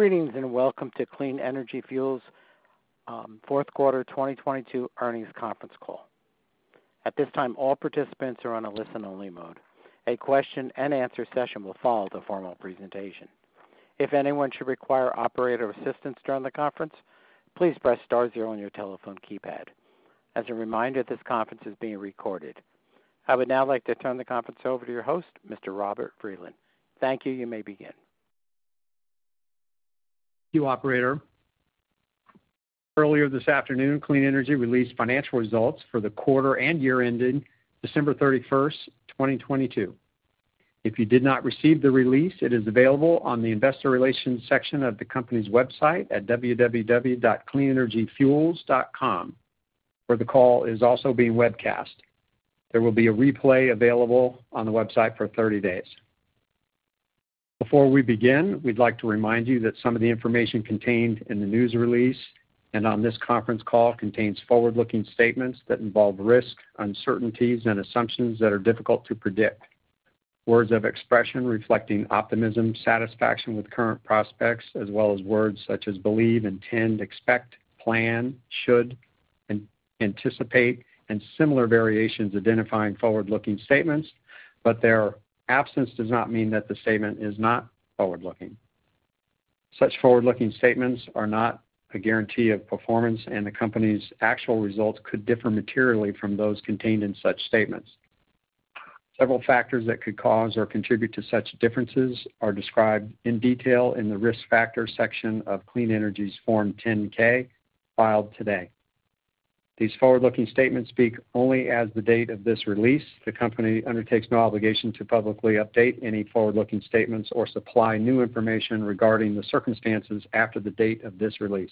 Greetings, and welcome to Clean Energy Fuels, Fourth Quarter 2022 Earnings Conference Call. At this time, all participants are on a listen-only mode. A question-and-answer session will follow the formal presentation. If anyone should require operator assistance during the conference, please press star zero on your telephone keypad. As a reminder, this conference is being recorded. I would now like to turn the conference over to your host Mr. Robert Vreeland. Thank you. You may begin. Thank you operator. Earlier this afternoon, Clean Energy released financial results for the quarter and year ending December 31, 2022. If you did not receive the release, it is available on the investor relations section of the company's website at www.cleanenergyfuels.com, where the call is also being webcast. There will be a replay available on the website for 30 days. Before we begin, we'd like to remind you that some of the information contained in the news release and on this conference call contains forward-looking statements that involve risk, uncertainties, and assumptions that are difficult to predict. Words of expression reflecting optimism, satisfaction with current prospects, as well as words such as believe, intend, expect, plan, should, anticipate, and similar variations identifying forward-looking statements, but their absence does not mean that the statement is not forward-looking. Such forward-looking statements are not a guarantee of performance, and the company's actual results could differ materially from those contained in such statements. Several factors that could cause or contribute to such differences are described in detail in the Risk Factors section of Clean Energy's Form 10-K filed today. These forward-looking statements speak only as of the date of this release. The company undertakes no obligation to publicly update any forward-looking statements or supply new information regarding the circumstances after the date of this release.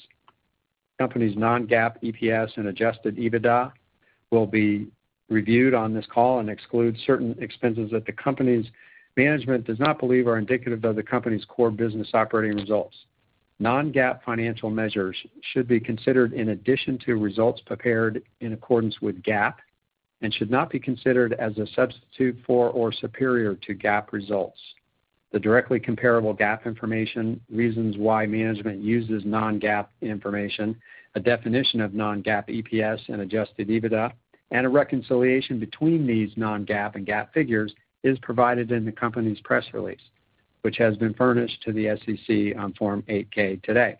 The company's Non-GAAP EPS and Adjusted EBITDA will be reviewed on this call and exclude certain expenses that the company's management does not believe are indicative of the company's core business operating results. Non-GAAP financial measures should be considered in addition to results prepared in accordance with GAAP and should not be considered as a substitute for or superior to GAAP results. The directly comparable GAAP information, reasons why management uses non-GAAP information, a definition of non-GAAP EPS and Adjusted EBITDA, and a reconciliation between these non-GAAP and GAAP figures is provided in the company's press release, which has been furnished to the SEC on Form 8-K today.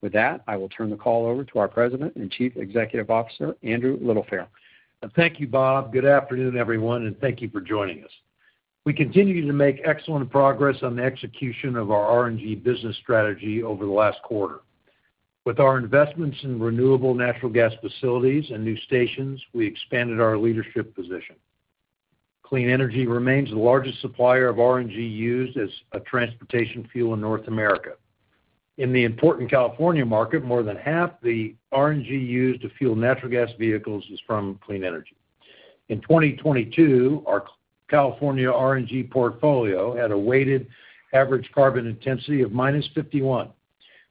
With that, I will turn the call over to our President and Chief Executive Officer, Andrew Littlefair. Thank you, Bob. Good afternoon, everyone, thank you for joining us. We continue to make excellent progress on the execution of our RNG business strategy over the last quarter. With our investments in renewable natural gas facilities and new stations, we expanded our leadership position. Clean Energy remains the largest supplier of RNG used as a transportation fuel in North America. In the important California market, more than half the RNG used to fuel natural gas vehicles is from Clean Energy. In 2022, our California RNG portfolio had a weighted average Carbon Intensity of -51,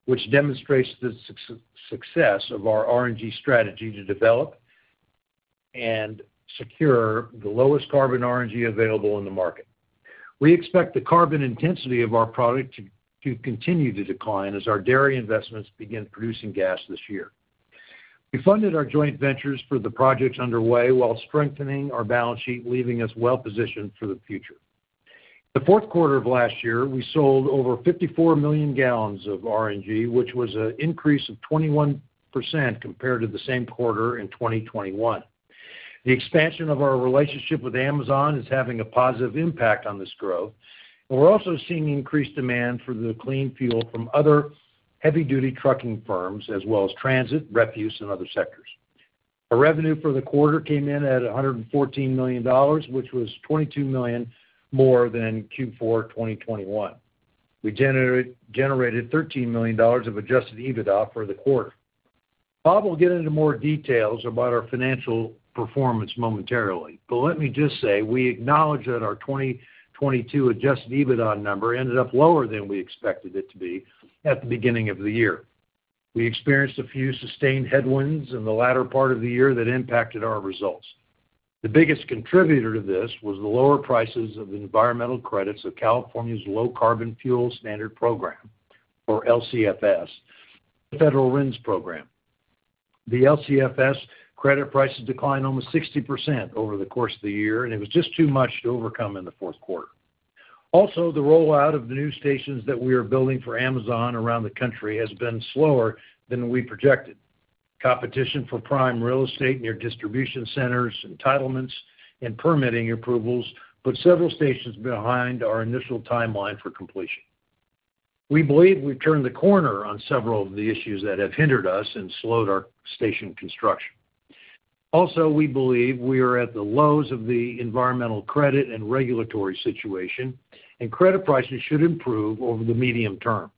which demonstrates the success of our RNG strategy to develop and secure the lowest carbon RNG available in the market. We expect the Carbon Intensity of our product to continue to decline as our dairy investments begin producing gas this year. We funded our joint ventures for the projects underway while strengthening our balance sheet, leaving us well-positioned for the future. The fourth quarter of last year, we sold over 54 million gallons of RNG, which was an increase of 21% compared to the same quarter in 2021. The expansion of our relationship with Amazon is having a positive impact on this growth, and we're also seeing increased demand for the clean fuel from other heavy-duty trucking firms as well as transit, refuse, and other sectors. Our revenue for the quarter came in at $114 million, which was $22 million more than in Q4 2021. We generated $13 million of Adjusted EBITDA for the quarter. Bob will get into more details about our financial performance momentarily. Let me just say we acknowledge that our 2022 Adjusted EBITDA number ended up lower than we expected it to be at the beginning of the year. We experienced a few sustained headwinds in the latter part of the year that impacted our results. The biggest contributor to this was the lower prices of environmental credits of California's Low Carbon Fuel Standard program, or LCFS, the federal RINs program. The LCFS credit prices declined almost 60% over the course of the year. It was just too much to overcome in the fourth quarter. The rollout of the new stations that we are building for Amazon around the country has been slower than we projected. Competition for prime real estate near distribution centers, entitlements, and permitting approvals put several stations behind our initial timeline for completion. We believe we've turned the corner on several of the issues that have hindered us and slowed our station construction. We believe we are at the lows of the environmental credit and regulatory situation, and credit prices should improve over the medium term.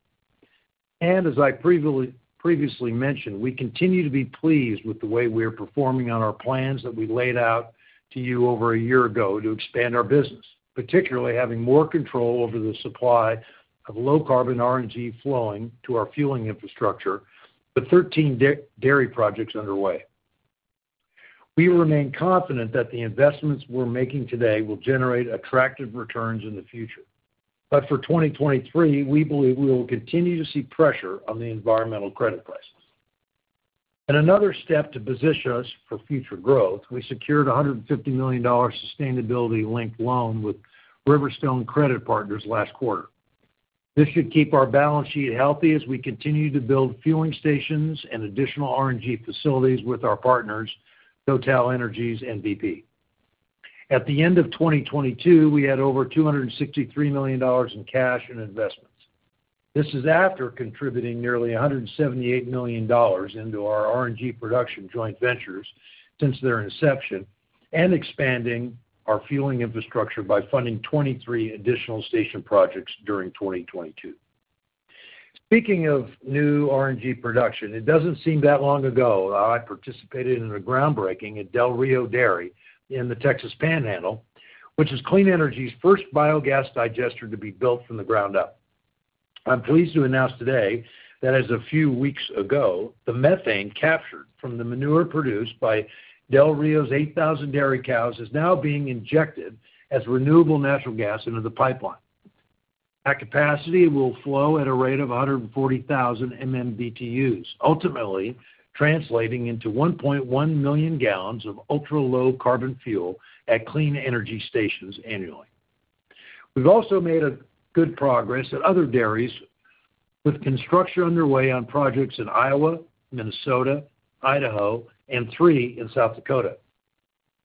As I previously mentioned, we continue to be pleased with the way we are performing on our plans that we laid out to you over a year ago to expand our business, particularly having more control over the supply of low-carbon RNG flowing to our fueling infrastructure, the 13 dairy projects underway. We remain confident that the investments we're making today will generate attractive returns in the future. For 2023, we believe we will continue to see pressure on the environmental credit prices. In another step to position us for future growth, we secured a $150 million sustainability-linked loan with Riverstone Credit Partners last quarter. This should keep our balance sheet healthy as we continue to build fueling stations and additional RNG facilities with our partners, TotalEnergies and BP. At the end of 2022, we had over $263 million in cash and investments. This is after contributing nearly $178 million into our RNG production joint ventures since their inception and expanding our fueling infrastructure by funding 23 additional station projects during 2022. Speaking of new RNG production, it doesn't seem that long ago that I participated in a groundbreaking at Del Rio Dairy in the Texas Panhandle, which is Clean Energy's first biogas digester to be built from the ground up. I'm pleased to announce today that as of a few weeks ago, the methane captured from the manure produced by Del Rio's 8,000 dairy cows is now being injected as renewable natural gas into the pipeline. At capacity, it will flow at a rate of 140,000 MMBtus, ultimately translating into 1.1 million gallons of ultra-low carbon fuel at Clean Energy stations annually. We've also made good progress at other dairies, with construction underway on projects in Iowa, Minnesota, Idaho, and three in South Dakota.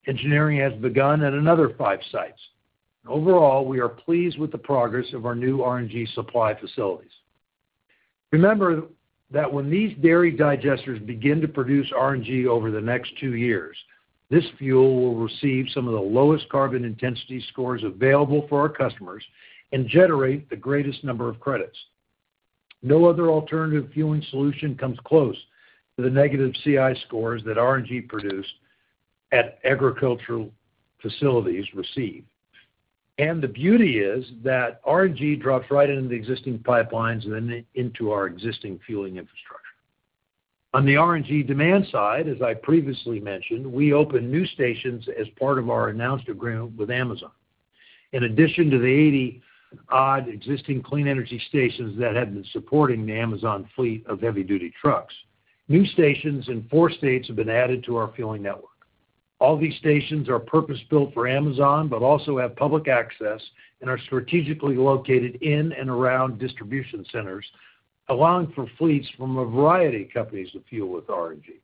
Engineering has begun at another five sites. Overall, we are pleased with the progress of our new RNG supply facilities. Remember that when these dairy digesters begin to produce RNG over the next two years, this fuel will receive some of the lowest carbon intensity scores available for our customers and generate the greatest number of credits. No other alternative fueling solution comes close to the negative CI scores that RNG produced at agricultural facilities receive. The beauty is that RNG drops right into the existing pipelines and then into our existing fueling infrastructure. On the RNG demand side, as I previously mentioned, we opened new stations as part of our announced agreement with Amazon. In addition to the 80-odd existing Clean Energy stations that have been supporting the Amazon fleet of heavy-duty trucks, new stations in four states have been added to our fueling network. All these stations are purpose-built for Amazon, but also have public access and are strategically located in and around distribution centers, allowing for fleets from a variety of companies to fuel with RNG.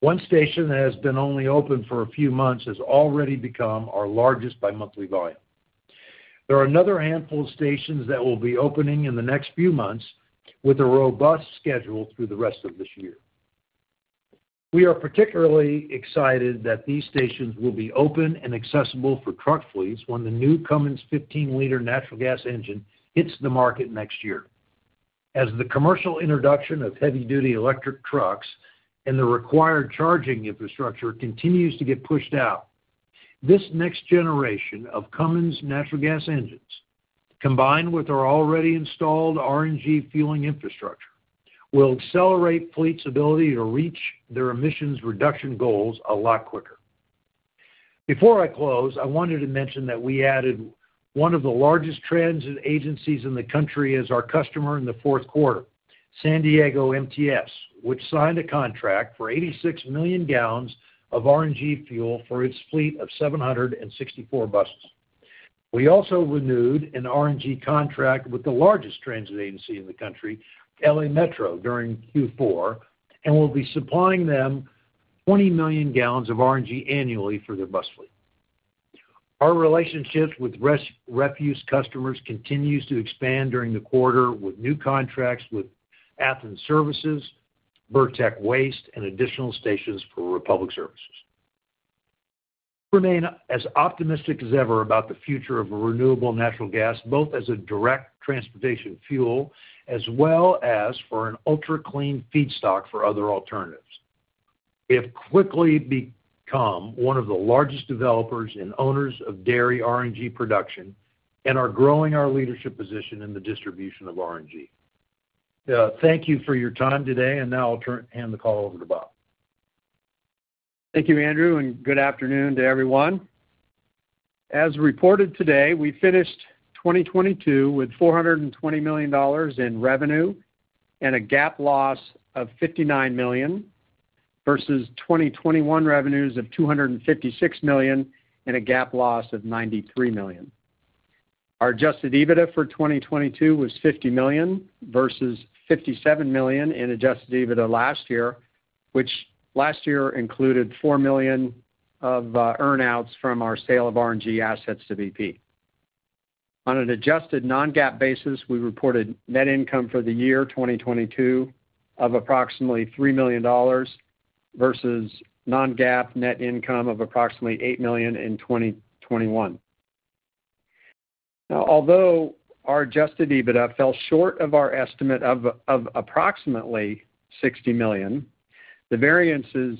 One station that has been only open for a few months has already become our largest by monthly volume. There are another handful of stations that will be opening in the next few months with a robust schedule through the rest of this year. We are particularly excited that these stations will be open and accessible for truck fleets when the new Cummins 15 L natural gas engine hits the market next year. As the commercial introduction of heavy-duty electric trucks and the required charging infrastructure continues to get pushed out, this next generation of Cummins natural gas engines, combined with our already installed RNG fueling infrastructure, will accelerate fleets' ability to reach their emissions reduction goals a lot quicker. Before I close, I wanted to mention that we added one of the largest transit agencies in the country as our customer in the fourth quarter, San Diego MTS, which signed a contract for 86 million gallons of RNG fuel for its fleet of 764 buses. We also renewed an RNG contract with the largest transit agency in the country, LA Metro, during Q4, and we'll be supplying them 20 million gallons of RNG annually for their bus fleet. Our relationships with refuse customers continues to expand during the quarter with new contracts with Athens Services, Burrtec Waste, and additional stations for Republic Services. We remain as optimistic as ever about the future of Renewable Natural Gas, both as a direct transportation fuel as well as for an ultra-clean feedstock for other alternatives. We have quickly become one of the largest developers and owners of dairy RNG production and are growing our leadership position in the distribution of RNG. Thank you for your time today, and now I'll hand the call over to Bob. Thank you Andrew. Good afternoon to everyone. As reported today, we finished 2022 with $420 million in revenue and a GAAP loss of $59 million, versus 2021 revenues of $256 million and a GAAP loss of $93 million. Our Adjusted EBITDA for 2022 was $50 million versus $57 million in Adjusted EBITDA last year, which last year included $4 million of earn-outs from our sale of RNG assets to BP. On an adjusted non-GAAP basis, we reported net income for the year 2022 of approximately $3 million versus non-GAAP net income of approximately $8 million in 2021. Although our Adjusted EBITDA fell short of our estimate of approximately $60 million, the variances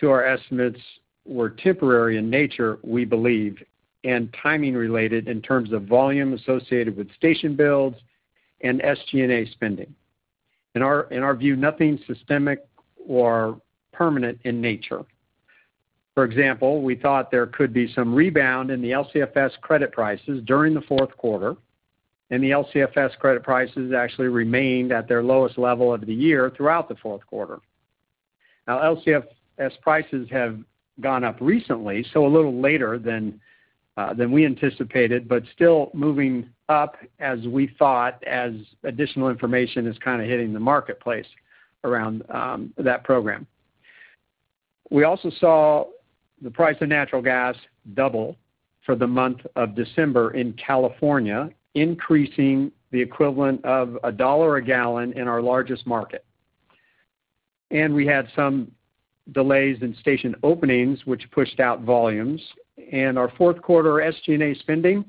to our estimates were temporary in nature, we believe, and timing related in terms of volume associated with station builds and SG&A spending. In our view, nothing systemic or permanent in nature. For example, we thought there could be some rebound in the LCFS credit prices during the fourth quarter, and the LCFS credit prices actually remained at their lowest level of the year throughout the fourth quarter. LCFS prices have gone up recently, so a little later than we anticipated, but still moving up as we thought as additional information is kinda hitting the marketplace around that program. We also saw the price of natural gas double for the month of December in California, increasing the equivalent of $1 a gallon in our largest market. We had some delays in station openings, which pushed out volumes, and our fourth quarter SG&A spending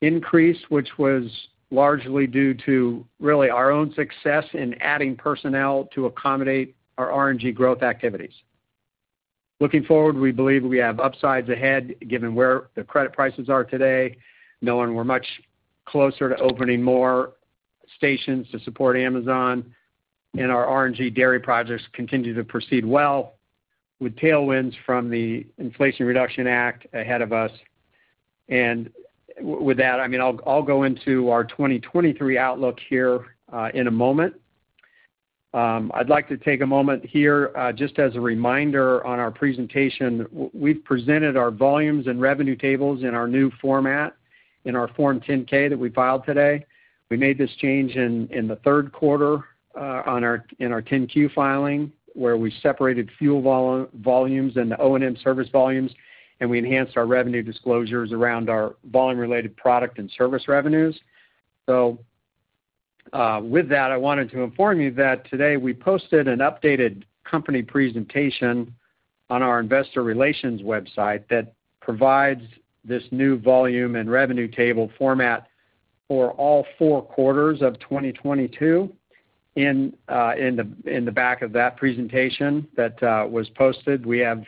increased, which was largely due to really our own success in adding personnel to accommodate our RNG growth activities. Looking forward, we believe we have upsides ahead, given where the credit prices are today, knowing we're much closer to opening more stations to support Amazon, and our RNG dairy projects continue to proceed well with tailwinds from the Inflation Reduction Act ahead of us. With that, I mean, I'll go into our 2023 outlook here in a moment. I'd like to take a moment here just as a reminder on our presentation, we've presented our volumes and revenue tables in our new format in our Form 10-K that we filed today. We made this change in the third quarter, in our 10-Q filing, where we separated fuel volumes and the O&M service volumes, and we enhanced our revenue disclosures around our volume-related product and service revenues. With that, I wanted to inform you that today we posted an updated company presentation on our investor relations website that provides this new volume and revenue table format for all four quarters of 2022 in the back of that presentation that was posted. We have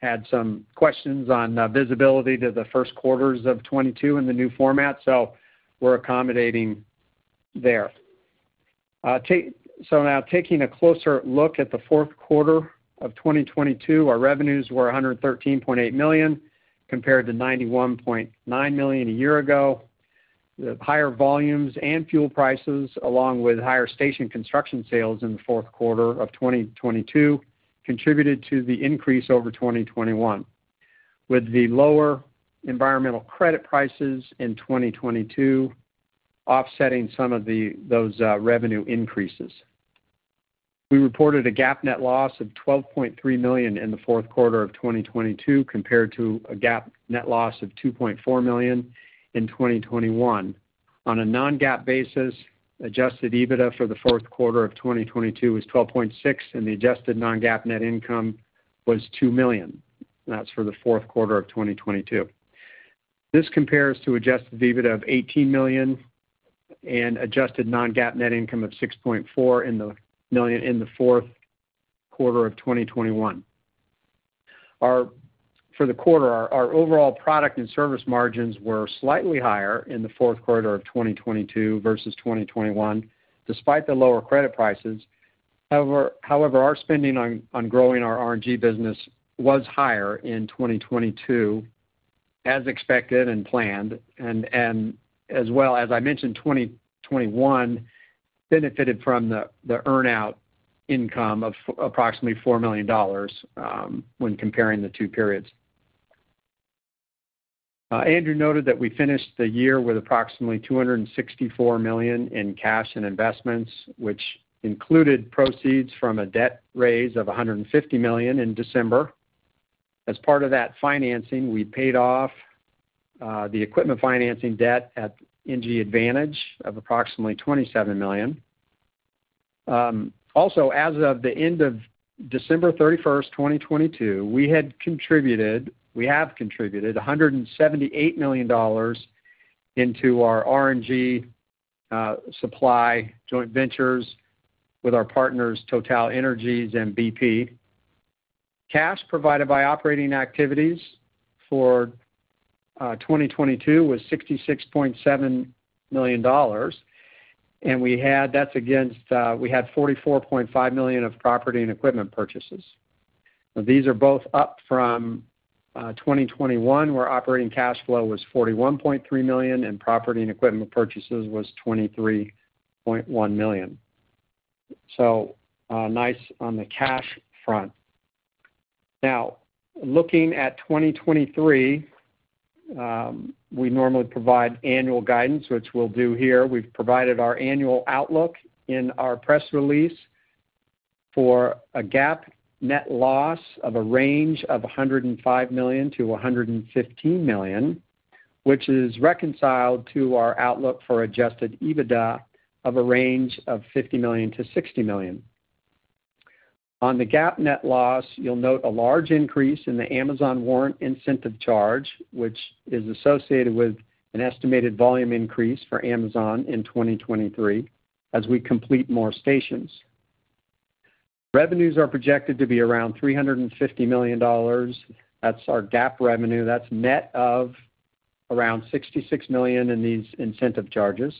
had some questions on visibility to the first quarters of 2022 in the new format, so we're accommodating there. Now taking a closer look at the fourth quarter of 2022, our revenues were $113.8 million, compared to $91.9 million a year ago. The higher volumes and fuel prices, along with higher station construction sales in the fourth quarter of 2022, contributed to the increase over 2021, with the lower environmental credit prices in 2022 offsetting some of those revenue increases. We reported a GAAP net loss of $12.3 million in the fourth quarter of 2022, compared to a GAAP net loss of $2.4 million in 2021. On a non-GAAP basis, Adjusted EBITDA for the fourth quarter of 2022 was $12.6 million, and the adjusted non-GAAP net income was $2 million. That's for the fourth quarter of 2022. This compares to Adjusted EBITDA of $18 million and adjusted non-GAAP net income of $6.4 million in the fourth quarter of 2021. For the quarter, our overall product and service margins were slightly higher in the fourth quarter of 2022 versus 2021, despite the lower credit prices. However, our spending on growing our RNG business was higher in 2022, as expected and planned, and as well, as I mentioned, 2021 benefited from the earnout income of approximately $4 million when comparing the two periods. Andrew noted that we finished the year with approximately $264 million in cash and investments, which included proceeds from a debt raise of $150 million in December. As part of that financing, we paid off the equipment financing debt at NG Advantage of approximately $27 million. As of December 31, 2022, we have contributed $178 million into our RNG supply joint ventures with our partners TotalEnergies and BP. Cash provided by operating activities for 2022 was $66.7 million. That's against $44.5 million of property and equipment purchases. These are both up from 2021, where operating cash flow was $41.3 million and property and equipment purchases was $23.1 million. Nice on the cash front. Looking at 2023, we normally provide annual guidance, which we'll do here. We've provided our annual outlook in our press release for a GAAP net loss of a range of $105 million-$115 million, which is reconciled to our outlook for Adjusted EBITDA of a range of $50 million-$60 million. On the GAAP net loss, you'll note a large increase in the Amazon warrant incentive charge, which is associated with an estimated volume increase for Amazon in 2023 as we complete more stations. Revenues are projected to be around $350 million. That's our GAAP revenue. That's net of around $66 million in these incentive charges.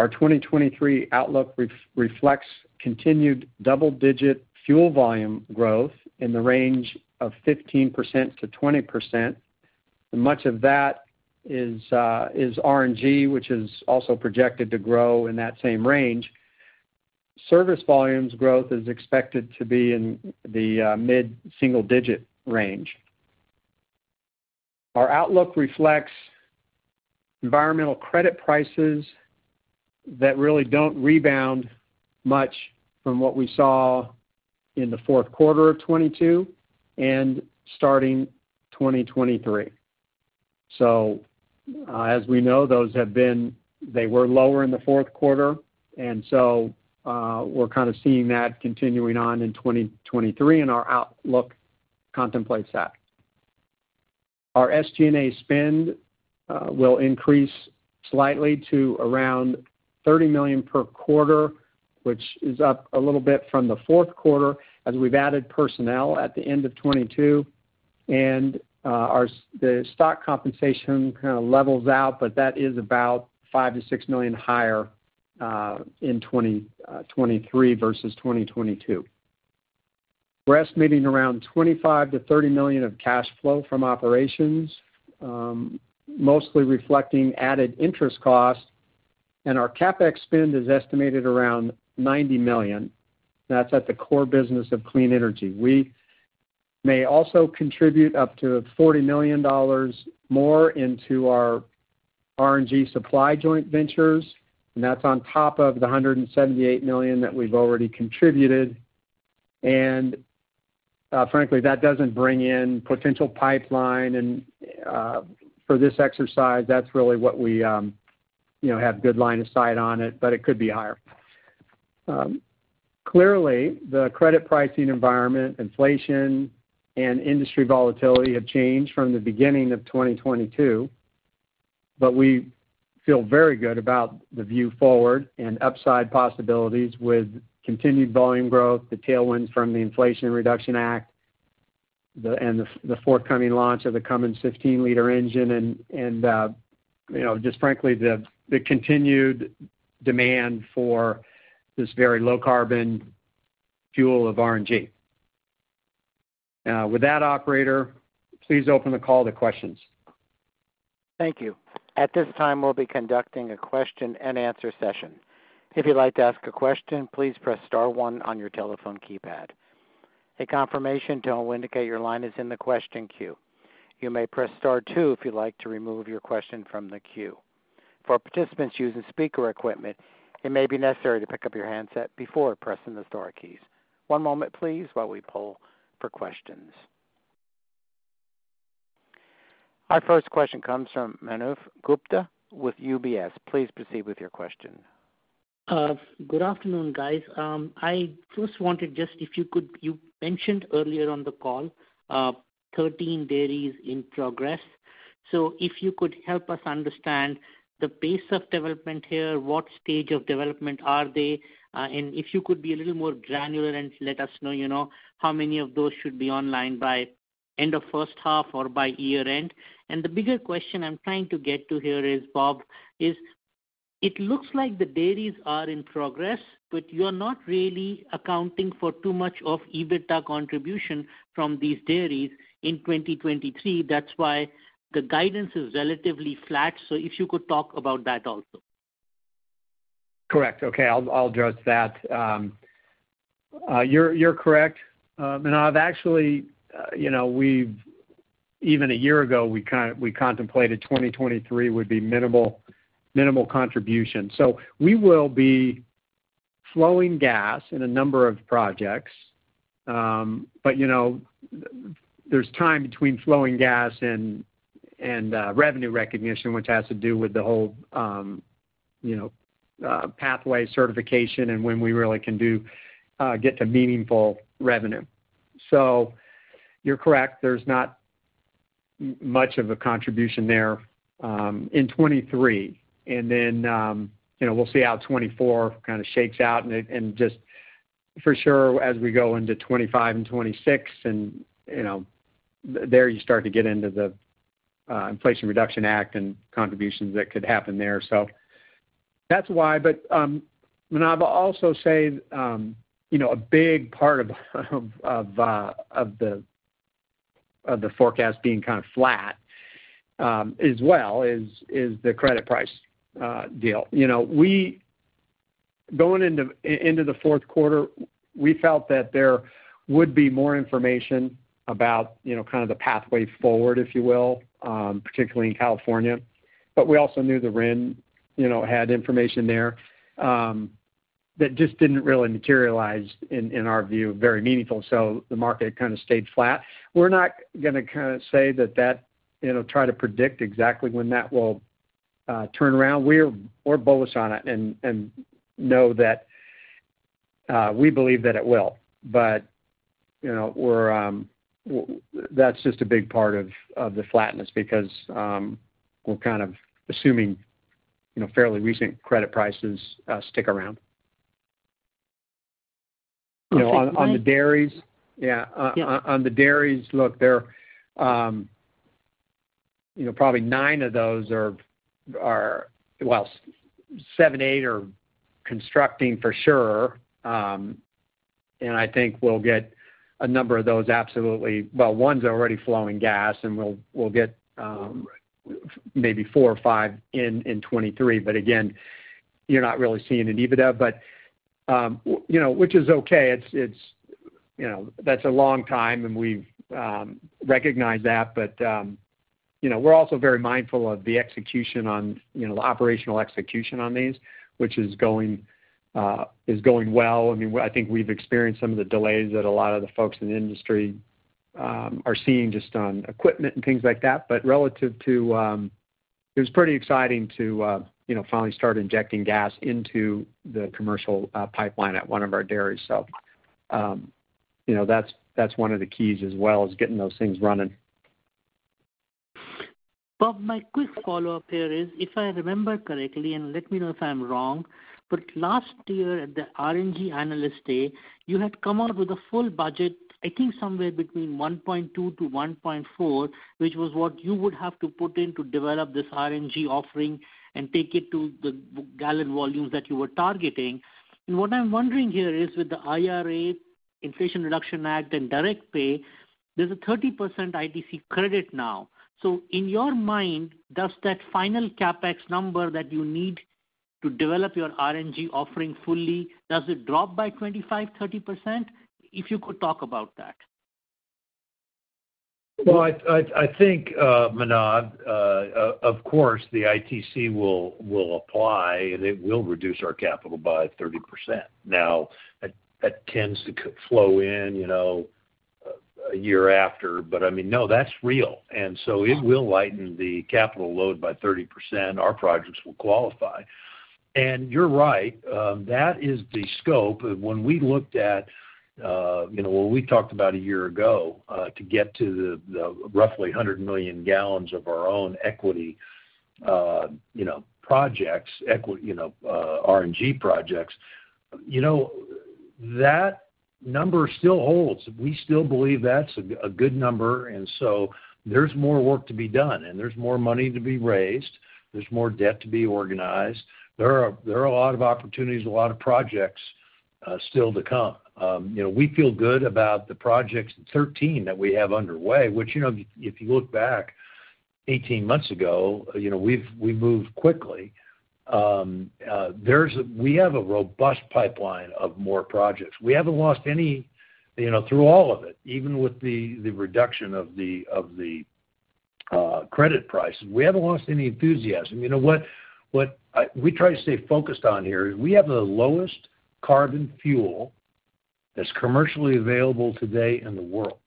Our 2023 outlook reflects continued double-digit fuel volume growth in the range of 15%-20%. Much of that is RNG, which is also projected to grow in that same range. Service volumes growth is expected to be in the mid-single digit range. Our outlook reflects environmental credit prices that really don't rebound much from what we saw in the fourth quarter of 2022 and starting 2023. As we know, those they were lower in the fourth quarter. We're kind of seeing that continuing on in 2023, and our outlook contemplates that. Our SG&A spend will increase slightly to around $30 million per quarter, which is up a little bit from the fourth quarter as we've added personnel at the end of 2022. Our the stock compensation kinda levels out, but that is about $5 million-$6 million higher in 2023 versus 2022. We're estimating around $25 million-$30 million of cash flow from operations, mostly reflecting added interest costs. Our CapEx spend is estimated around $90 million. That's at the core business of Clean Energy. We may also contribute up to $40 million more into our RNG supply joint ventures. That's on top of the $178 million that we've already contributed. Frankly, that doesn't bring in potential pipeline, for this exercise, that's really what we, you know, have good line of sight on it, but it could be higher. Clearly, the credit pricing environment, inflation, and industry volatility have changed from the beginning of 2022, but we feel very good about the view forward and upside possibilities with continued volume growth, the tailwinds from the Inflation Reduction Act, the forthcoming launch of the Cummins 15 L engine and, you know, just frankly, the continued demand for this very low carbon fuel of RNG. With that, operator, please open the call to questions. Thank you. At this time, we'll be conducting a question and answer session. If you'd like to ask a question, please press star one on your telephone keypad. A confirmation tone will indicate your line is in the question queue. You may press star two if you'd like to remove your question from the queue. For participants using speaker equipment, it may be necessary to pick up your handset before pressing the star keys. One moment, please, while we poll for questions. Our first question comes from Manav Gupta with UBS. Please proceed with your question. Good afternoon, guys. I first wanted just if you could. You mentioned earlier on the call, 13 dairies in progress. If you could help us understand the pace of development here, what stage of development are they? And if you could be a little more granular and let us know, you know, how many of those should be online by end of first half or by year-end. The bigger question I'm trying to get to here is, Bob, is it looks like the dairies are in progress, but you're not really accounting for too much of EBITDA contribution from these dairies in 2023. That's why the guidance is relatively flat. If you could talk about that also. Correct. Okay, I'll address that. You're correct. Manav, actually, you know, even a year ago, we contemplated 2023 would be minimal contribution. We will be flowing gas in a number of projects. But, you know, there's time between flowing gas and revenue recognition, which has to do with the whole, you know, pathway certification and when we really can get to meaningful revenue. You're correct. There's not much of a contribution there in 2023. You know, we'll see how 2024 kinda shakes out and just for sure, as we go into 2025 and 2026 and, you know, there you start to get into the Inflation Reduction Act and contributions that could happen there. That's why. Manav, I'll also say, you know, a big part of the forecast being kind of flat, as well is the credit price deal. You know, going into the fourth quarter, we felt that there would be more information about, you know, kind of the pathway forward, if you will, particularly in California. We also knew the RIN, you know, had information there, that just didn't really materialize in our view, very meaningful. The market kind of stayed flat. We're not gonna kinda say that, you know, try to predict exactly when that will turn around. We're, we're bullish on it and know that, we believe that it will. You know, we're, that's just a big part of the flatness because, we're kind of assuming, you know, fairly recent credit prices stick around. On the dairies. Yeah. Yeah. On the dairies, look, they're, you know, probably nine of those are. Well, seven, eight are constructing for sure. And I think we'll get a number of those absolutely. Well, one's already flowing gas, and we'll get, maybe four or five in 2023. Again, you're not really seeing an EBITDA. You know, which is okay. It's, you know, that's a long time, and we've recognized that. You know, we're also very mindful of the execution on, you know, the operational execution on these, which is going, is going well. I mean, I think we've experienced some of the delays that a lot of the folks in the industry are seeing just on equipment and things like that. Relative to... It was pretty exciting to, you know, finally start injecting gas into the commercial pipeline at one of our dairies. You know, that's one of the keys as well, is getting those things running. Bob, my quick follow-up here is, if I remember correctly, and let me know if I'm wrong, but last year at the RNG Analyst Day, you had come out with a full budget, I think somewhere between $1.2-$1.4, which was what you would have to put in to develop this RNG offering and take it to the gallon volumes that you were targeting. What I'm wondering here is with the IRA, Inflation Reduction Act, and direct pay, there's a 30% ITC credit now. In your mind, does that final CapEx number that you need to develop your RNG offering fully, does it drop by 25%-30%? If you could talk about that. Well, I think, Manav, of course, the ITC will apply, and it will reduce our capital by 30%. Now, that tends to flow in, you know, one year after. I mean, no, that's real. It will lighten the capital load by 30%. Our projects will qualify. You're right, that is the scope. When we looked at, you know, when we talked about a year ago, to get to the roughly 100 million gallons of our own equity, you know, projects, equity, you know, RNG projects, you know, that number still holds. We still believe that's a good number. There's more work to be done, and there's more money to be raised. There's more debt to be organized. There are a lot of opportunities, a lot of projects, still to come. You know, we feel good about the projects, 13, that we have underway, which, you know, if you look back 18 months ago, we've moved quickly. We have a robust pipeline of more projects. We haven't lost any, you know, through all of it, even with the reduction of the credit prices, we haven't lost any enthusiasm. You know, what we try to stay focused on here is we have the lowest carbon fuel that's commercially available today in the world.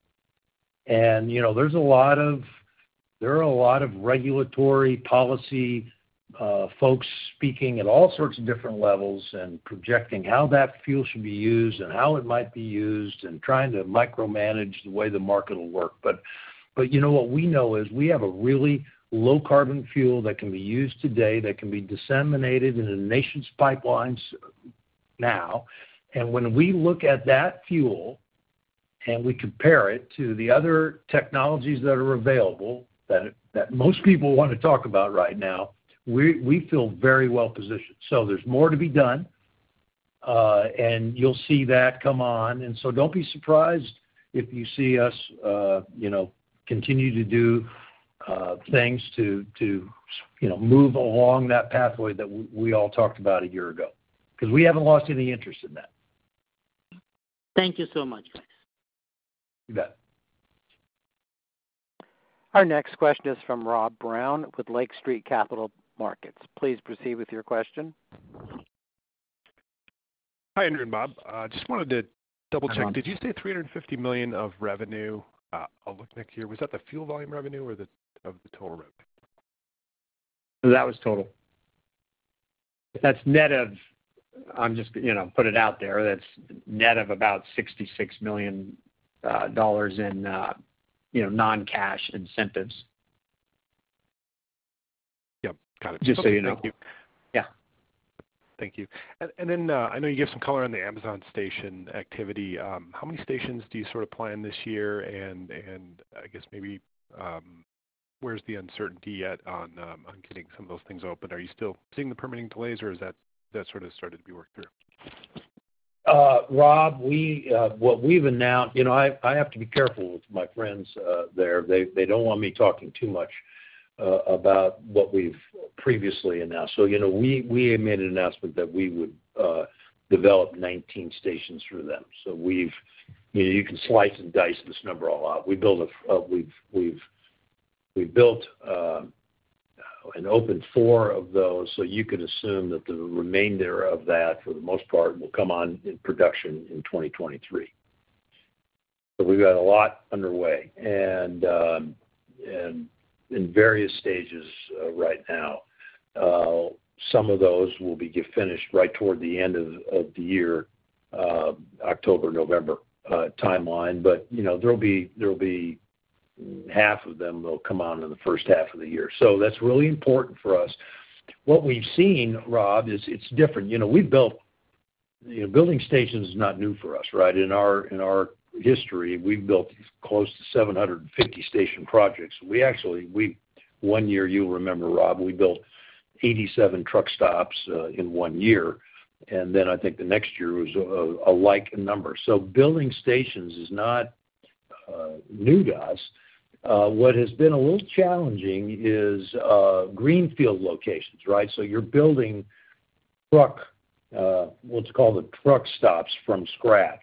You know, there are a lot of regulatory policy folks speaking at all sorts of different levels and projecting how that fuel should be used and how it might be used and trying to micromanage the way the market will work. You know, what we know is we have a really low carbon fuel that can be used today, that can be disseminated in the nation's pipelines now. When we look at that fuel and we compare it to the other technologies that are available that most people wanna talk about right now, we feel very well-positioned. There's more to be done, and you'll see that come on. Don't be surprised if you see us, you know, continue to do, things to, you know, move along that pathway that we all talked about a year ago, because we haven't lost any interest in that. Thank you so much. You bet. Our next question is from Rob Brown with Lake Street Capital Markets. Please proceed with your question. Hi, Andrew and Bob. Just wanted to double-check. Hi, Rob. Did you say $350 million of revenue, outlook next year? Was that the fuel volume revenue or of the total revenue? That was total. That's net of... I'm just, you know, put it out there. That's net of about $66 million in, you know, non-cash incentives. Yep, got it. Just so you know. Thank you. Yeah. Thank you. I know you gave some color on the Amazon station activity. How many stations do you sort of plan this year? I guess maybe, where's the uncertainty at on getting some of those things open? Are you still seeing the permitting delays, or is that sort of started to be worked through? Rob, we... You know, I have to be careful with my friends there. They don't want me talking too much about what we've previously announced. You know, we had made an announcement that we would develop 19 stations through them. You know, you can slice and dice this number all out. We've built and opened four of those. You could assume that the remainder of that, for the most part, will come on in production in 2023. We've got a lot underway. In various stages right now. Some of those will get finished right toward the end of the year, October, November timeline. You know, there'll be... Half of them will come on in the first half of the year. That's really important for us. What we've seen, Rob, is it's different. You know, building stations is not new for us, right? In our, in our history, we've built close to 750 station projects. We actually, one year, you'll remember, Rob, we built 87 truck stops in one year. Then I think the next year was a like number. Building stations is not new to us. What has been a little challenging is greenfield locations, right? You're building truck, what's called the truck stops from scratch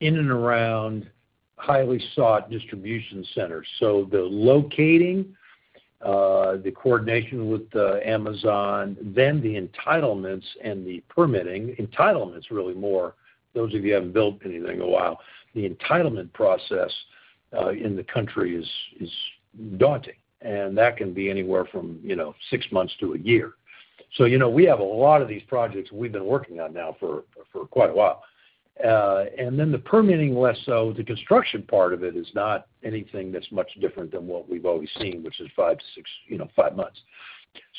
in and around highly sought distribution centers. The locating, the coordination with Amazon, then the entitlements and the permitting. Entitlement's really more, those of you haven't built anything in a while, the entitlement process in the country is daunting. That can be anywhere from, you know, six months to a year. You know, we have a lot of these projects we've been working on now for quite a while. Then the permitting less so. The construction part of it is not anything that's much different than what we've always seen, which is You know, five months.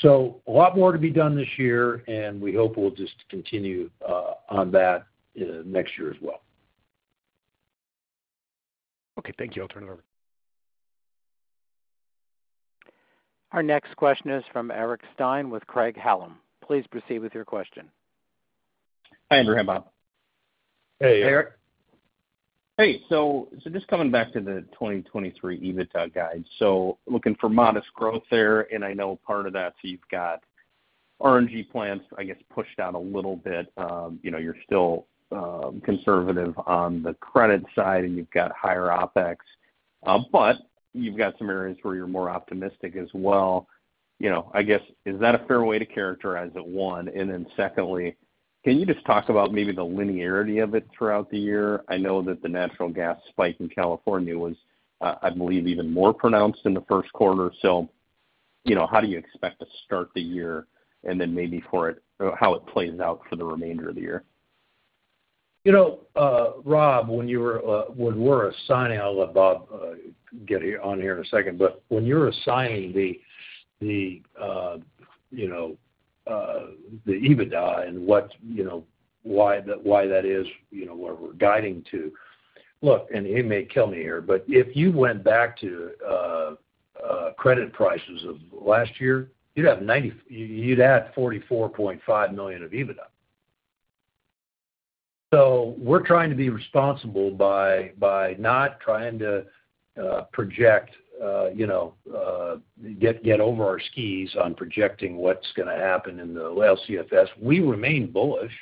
A lot more to be done this year, and we hope we'll just continue on that next year as well. Okay. Thank you. I'll turn it over. Our next question is from Eric Stine with Craig-Hallum. Please proceed with your question. Hi, Andrew, Bob. Hey, Eric. Just coming back to the 2023 EBITDA guide. Looking for modest growth there, and I know part of that, so you've got RNG plans, I guess, pushed out a little bit. you know, you're still conservative on the credit side, and you've got higher OpEx. you've got some areas where you're more optimistic as well. You know, I guess, is that a fair way to characterize it, one? Secondly, can you just talk about maybe the linearity of it throughout the year? I know that the natural gas spike in California was, I believe, even more pronounced in the first quarter. you know, how do you expect to start the year, or how it plays out for the remainder of the year? You know Rob when you were, when we're assigning... I'll let Bob get on here in a second. When you're assigning the, you know, the EBITDA and what, you know, why that, why that is, you know, where we're guiding to. Look, and he may kill me here, but if you went back to credit prices of last year, you'd add $44.5 million of EBITDA. We're trying to be responsible by not trying to project, you know, get over our skis on projecting what's gonna happen in the LCFS. We remain bullish.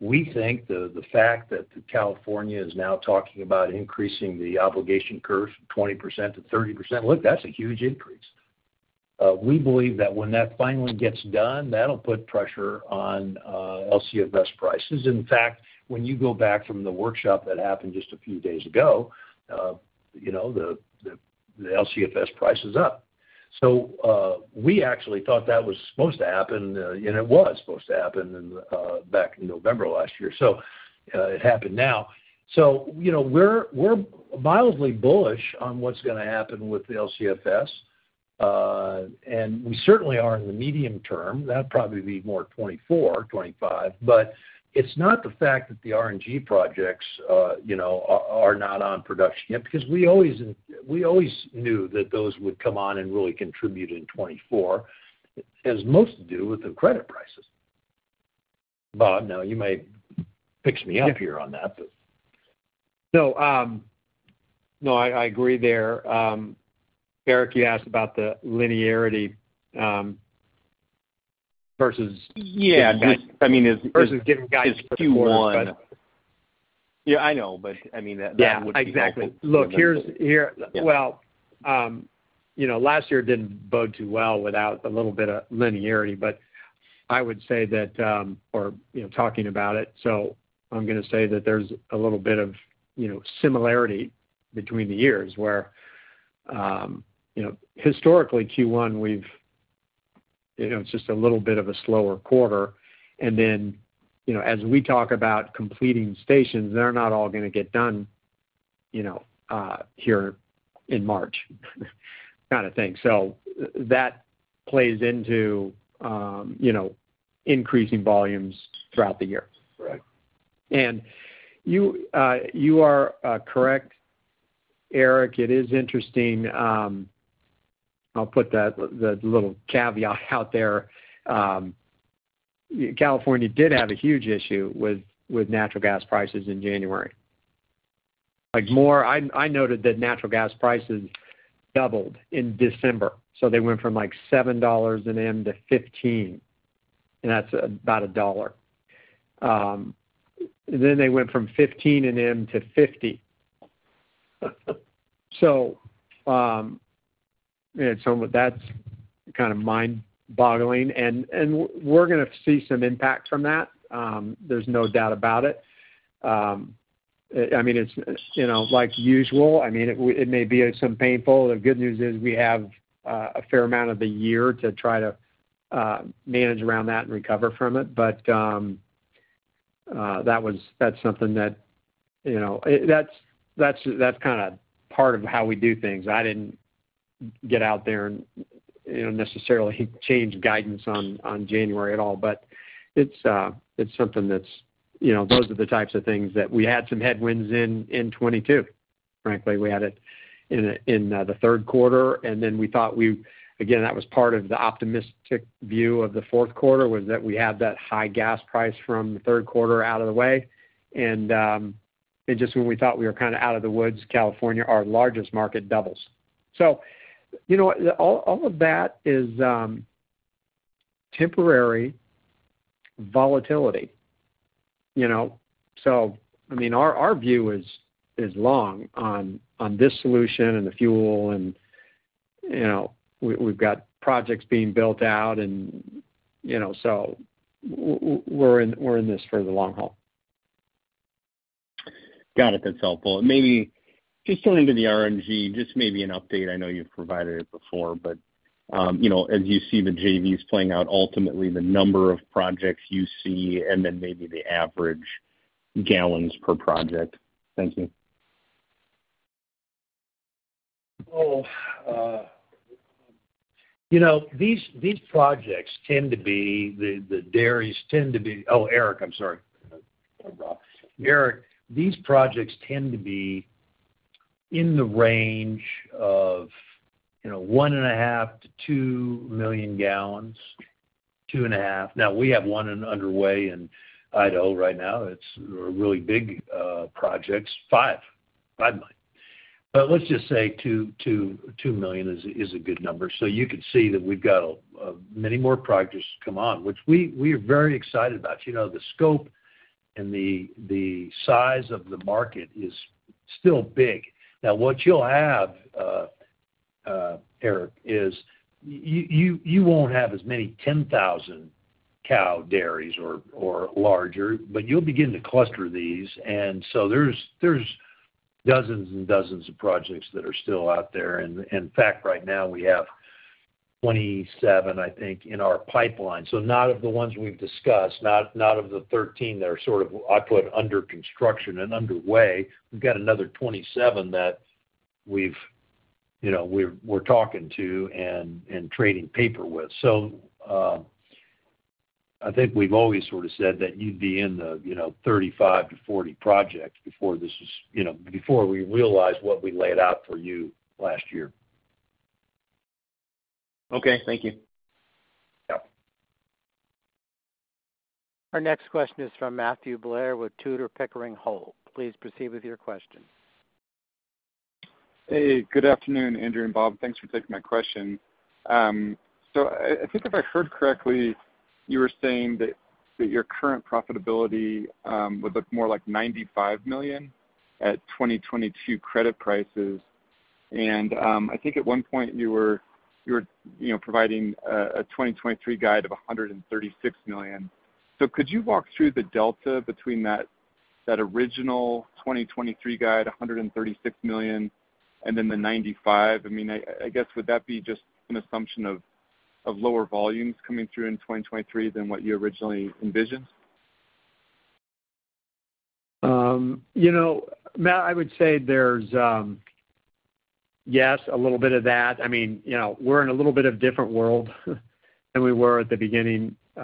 We think the fact that California is now talking about increasing the obligation curve from 20%-30%, look, that's a huge increase. We believe that when that finally gets done, that'll put pressure on LCFS prices. In fact, when you go back from the workshop that happened just a few days ago, you know, the LCFS price is up. We actually thought that was supposed to happen and it was supposed to happen in back in November last year. It happened now. You know, we're mildly bullish on what's gonna happen with the LCFS. And we certainly are in the medium term. That'd probably be more 2024, 2025. It's not the fact that the RNG projects, you know, are not on production yet, because we always, we always knew that those would come on and really contribute in 2024, as most do with the credit prices. Bob, now you may fix me up here on that, but... No I agree there. Eric you asked about the linearity. Yeah. Just, I mean. Versus giving guidance for the quarter. Yeah, I know, but I mean, that would be helpful. Yeah, exactly. Look, here... Yeah. You know, last year didn't bode too well without a little bit of linearity. I would say that, you know, talking about it, so I'm gonna say that there's a little bit of, you know, similarity between the years where, you know, historically Q1, you know, it's just a little bit of a slower quarter. You know, as we talk about completing stations, they're not all gonna get done, you know, here in March kind of thing. That plays into, you know, increasing volumes throughout the year. Right. You are correct Eric. It is interesting. I'll put that, the little caveat out there. California did have a huge issue with natural gas prices in January. I noted that natural gas prices doubled in December, so they went from, like, $7 an M to 15, and that's about $1. Then they went from 15 an M to 50. Yeah. That's kind of mind-boggling. We're gonna see some impact from that. There's no doubt about it. I mean, it's, you know, like usual. I mean, it may be some painful. The good news is we have a fair amount of the year to try to manage around that and recover from it. That's something that, you know. That's kinda part of how we do things. I didn't get out there and, you know, necessarily change guidance on January at all. It's something that's, you know, those are the types of things that we had some headwinds in 2022, frankly. We had it in the third quarter, and then we thought Again, that was part of the optimistic view of the fourth quarter, was that we had that high gas price from the third quarter out of the way. Just when we thought we were kind of out of the woods, California, our largest market, doubles. You know what? All of that is temporary volatility, you know? I mean, our view is long on this solution and the fuel and, you know, we've got projects being built out and, you know. We're in this for the long haul. Got it. That's helpful. Maybe just going into the RNG, just maybe an update. I know you've provided it before, but, you know, as you see the JVs playing out, ultimately, the number of projects you see and then maybe the average gallons per project. Thank you. Well, you know, these projects the dairies tend to be. Oh, Eric, I'm sorry. Eric, these projects tend to be in the range of, you know, 1.5 million gallons-2 million gallons, 2.5. We have one in underway in Idaho right now. It's a really big project. It's 5 million. Let's just say 2 million is a good number. You could see that we've got many more projects to come on, which we are very excited about. You know, the scope and the size of the market is still big. What you'll have, Eric, is you won't have as many 10,000 cow dairies or larger, but you'll begin to cluster these. There's dozens and dozens of projects that are still out there. In fact, right now we have 2027, I think, in our pipeline. Not of the ones we've discussed, not of the 13 that are sort of, I put under construction and underway. We've got another 2027 that we've, you know, we're talking to and trading paper with. I think we've always sort of said that you'd be in the, you know, 35-40 projects before this is, you know, before we realize what we laid out for you last year. Okay. Thank you. Yeah. Our next question is from Matthew Blair with Tudor, Pickering, Holt & Co. Please proceed with your question. Hey good afternoon Andrew and Bob. Thanks for taking my question. I think if I heard correctly, you were saying that your current profitability, would look more like $95 million at 2022 credit prices. I think at one point you were, you were, you know, providing a 2023 guide of $136 million. Could you walk through the delta between that original 2023 guide, $136 million, and then the $95? I guess, would that be just an assumption of lower volumes coming through in 2023 than what you originally envisioned? You know, Matt, I would say there's Yes, a little bit of that. I mean, you know, we're in a little bit of different world than we were at the beginning. You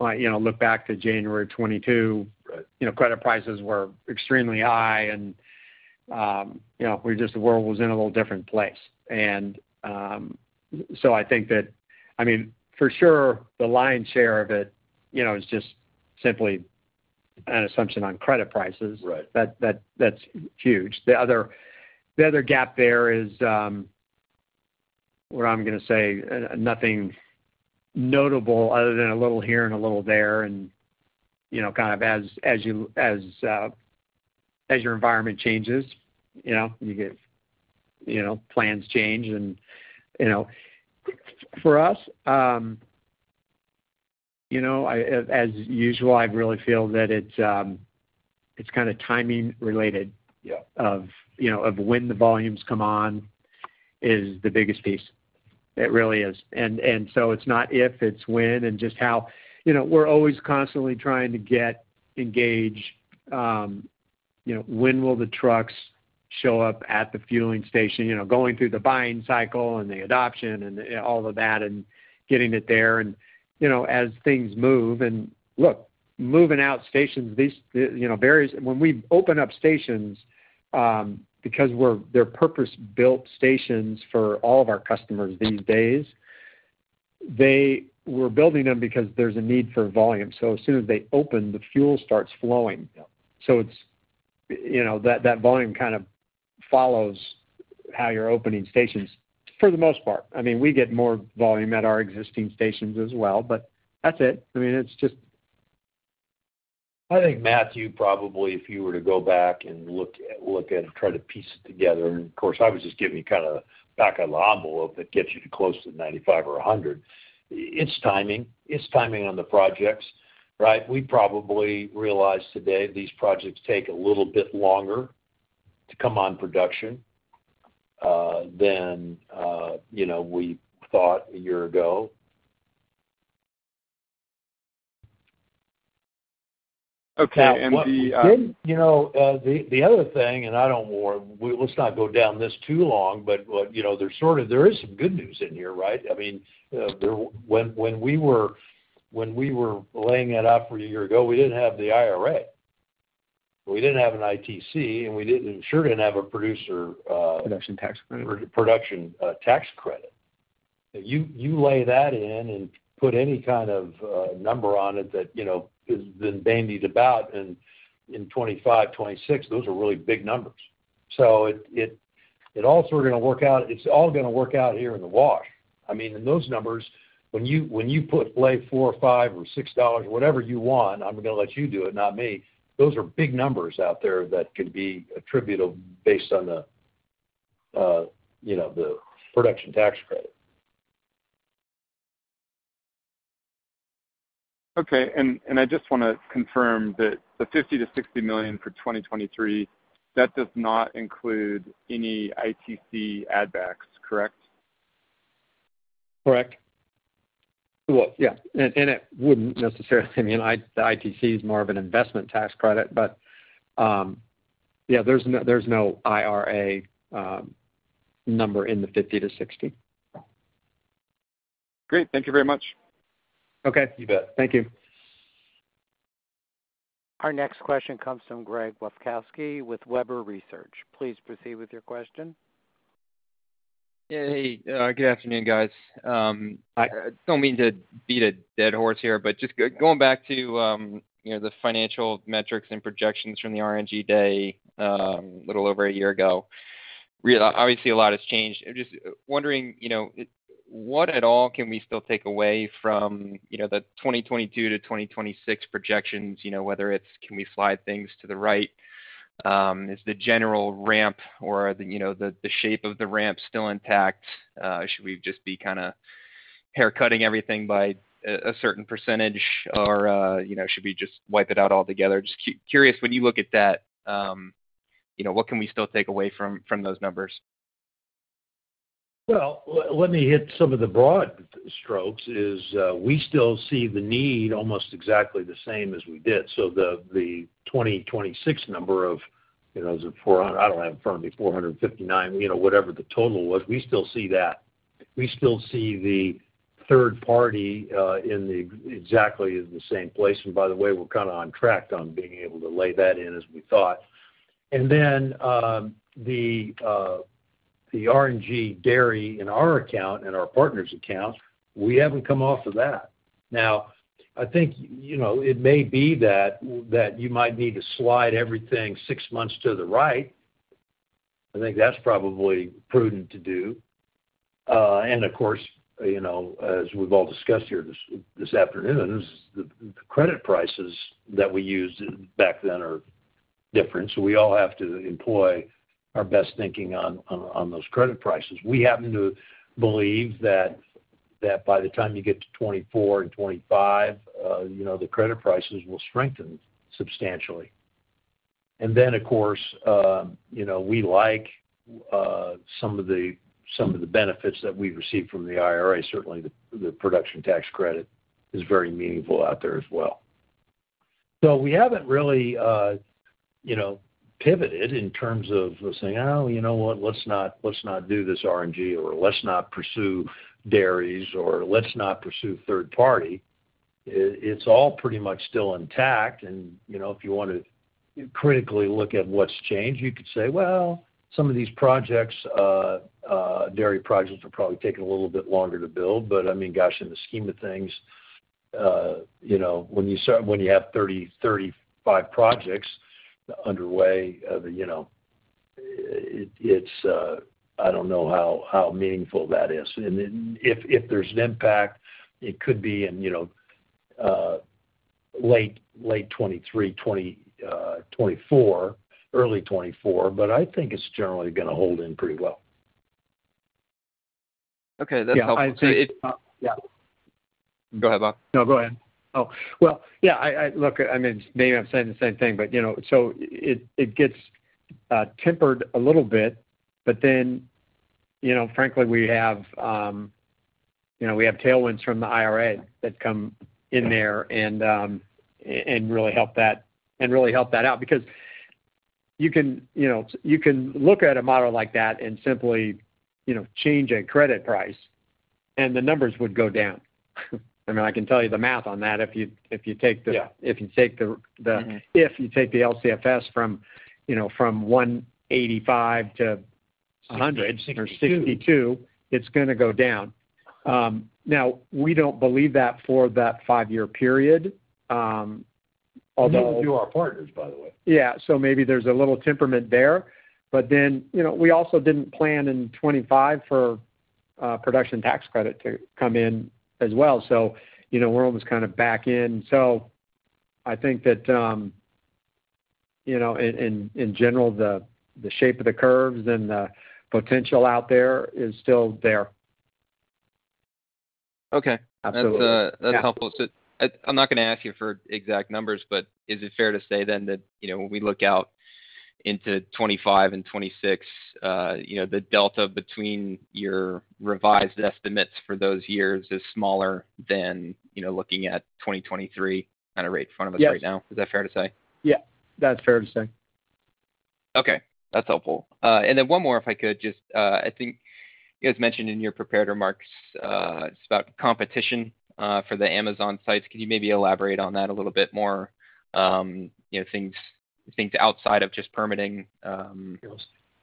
know, look back to January of 2022, you know, credit prices were extremely high and, you know, the world was in a little different place. I think that, I mean, for sure the lion's share of it, you know, is just simply an assumption on credit prices. Right. That's huge. The other gap there is what I'm gonna say, nothing notable other than a little here and a little there. You know, kind of as your environment changes, you know, you get, you know, plans change and, you know. For us, you know, I, as usual, I really feel that it's kinda timing related- Yeah of, you know, of when the volumes come on is the biggest piece. It really is. So it's not if, it's when and just how. You know, we're always constantly trying to get engaged, you know, when will the trucks show up at the fueling station, you know, going through the buying cycle and the adoption and all of that and getting it there and, you know, as things move. Look, moving out stations, these, you know, varies. When we open up stations, because they're purpose-built stations for all of our customers these days. We're building them because there's a need for volume. So as soon as they open, the fuel starts flowing. Yeah. It's, you know, that volume kind of follows how you're opening stations for the most part. I mean, we get more volume at our existing stations as well, but that's it. I mean, it's just... I think, Matthew, probably if you were to go back and look at and try to piece it together, and of course, I was just giving you kind of back of the envelope that gets you to close to 95 or 100. It's timing. It's timing on the projects, right? We probably realize today these projects take a little bit longer to come on production. Than, you know, we thought a year ago. Okay. the, What didn't? You know, the other thing, I don't let's not go down this too long. What, you know, there is some good news in here, right? I mean, when we were laying that out for you a year ago, we didn't have the IRA. We didn't have an ITC. We didn't sure didn't have a producer. Production Tax Credit... pro-Production Tax Credit. You lay that in and put any kind of number on it that, you know, is been bandied about in 2025, 2026, those are really big numbers. It's all gonna work out here in the wash. I mean, in those numbers, when you put, lay $4 or $5 or $6, whatever you want, I'm gonna let you do it, not me, those are big numbers out there that can be attributable based on the, you know, the Production Tax Credit. Okay. I just wanna confirm that the $50 million-$60 million for 2023, that does not include any ITC add backs, correct? Correct. Well yeah. It wouldn't necessarily. I mean, the ITC is more of an Investment Tax Credit, but, yeah, there's no IRA number in the 50-60. Great. Thank you very much. Okay. You bet. Thank you. Our next question comes from Greg Bakoski with Weber Research. Please proceed with your question. Yeah. Hey, good afternoon, guys. I don't mean to beat a dead horse here, but just going back to, you know, the financial metrics and projections from the RNG day, a little over a year ago. Obviously, a lot has changed. I'm just wondering, you know, what at all can we still take away from, you know, the 2022-2026 projections, you know, whether it's can we slide things to the right? Is the general ramp or the, you know, the shape of the ramp still intact? Should we just be kinda hair cutting everything by a certain percentage or, you know, should we just wipe it out altogether? Just curious, when you look at that, you know, what can we still take away from those numbers? Well let me hit some of the broad strokes, we still see the need almost exactly the same as we did. The 2026 number of, you know, the 459, you know, whatever the total was, we still see that. We still see the third party, exactly in the same place. By the way, we're kinda on track on being able to lay that in as we thought. The RNG dairy in our account and our partners' accounts, we haven't come off of that. Now, I think, you know, it may be that you might need to slide everything six months to the right. I think that's probably prudent to do. Of course, you know, as we've all discussed here this afternoon, the credit prices that we used back then are different. We all have to employ our best thinking on those credit prices. We happen to believe that by the time you get to 2024 and 2025, you know, the credit prices will strengthen substantially. Then, of course, you know, we like some of the benefits that we've received from the IRA. Certainly, the Production Tax Credit is very meaningful out there as well. We haven't really, you know, pivoted in terms of saying, "Oh, you know what? Let's not, let's not do this RNG," or, "Let's not pursue dairies," or, "Let's not pursue third party." It, it's all pretty much still intact. You know, if you want to critically look at what's changed, you could say, well, some of these projects, dairy projects are probably taking a little bit longer to build. I mean, gosh, in the scheme of things, you know, when you have 30, 35 projects underway, you know, it's, I don't know how meaningful that is. Then if there's an impact, it could be in, you know, late 2023, 2024, early 2024, but I think it's generally gonna hold in pretty well. Okay. That's helpful. Yeah. So it- Yeah. Go ahead Bob. No go ahead. Well yeah I mean maybe I'm saying the same thing, but, you know. It gets tempered a little bit, you know, frankly, we have, you know, we have tailwinds from the IRA that come in there and really help that, and really help that out. Because you can, you know. You can look at a model like that and simply, you know, change a credit price, and the numbers would go down. I mean, I can tell you the math on that. Yeah. Mm-hmm. If you take the LCFS from, you know, from 185-100... 62... or 62, it's gonna go down. We don't believe that for that five-year period, Neither do our partners, by the way. Yeah. Maybe there's a little temperament there. You know, we also didn't plan in 2025 for Production Tax Credit to come in as well. You know, we're almost kind of back in. I think that, you know, in general, the shape of the curves and the potential out there is still there. Okay. That's, that's helpful. I'm not gonna ask you for exact numbers, but is it fair to say that, you know, when we look out into 2025 and 2026, you know, the delta between your revised estimates for those years is smaller than, you know, looking at 2023 kind of rate in front of us right now? Yes. Is that fair to say? Yeah that's fair to say. Okay that's helpful. Then one more, if I could just. I think you guys mentioned in your prepared remarks, it's about competition, for the Amazon sites. Can you maybe elaborate on that a little bit more? You know, things outside of just permitting, you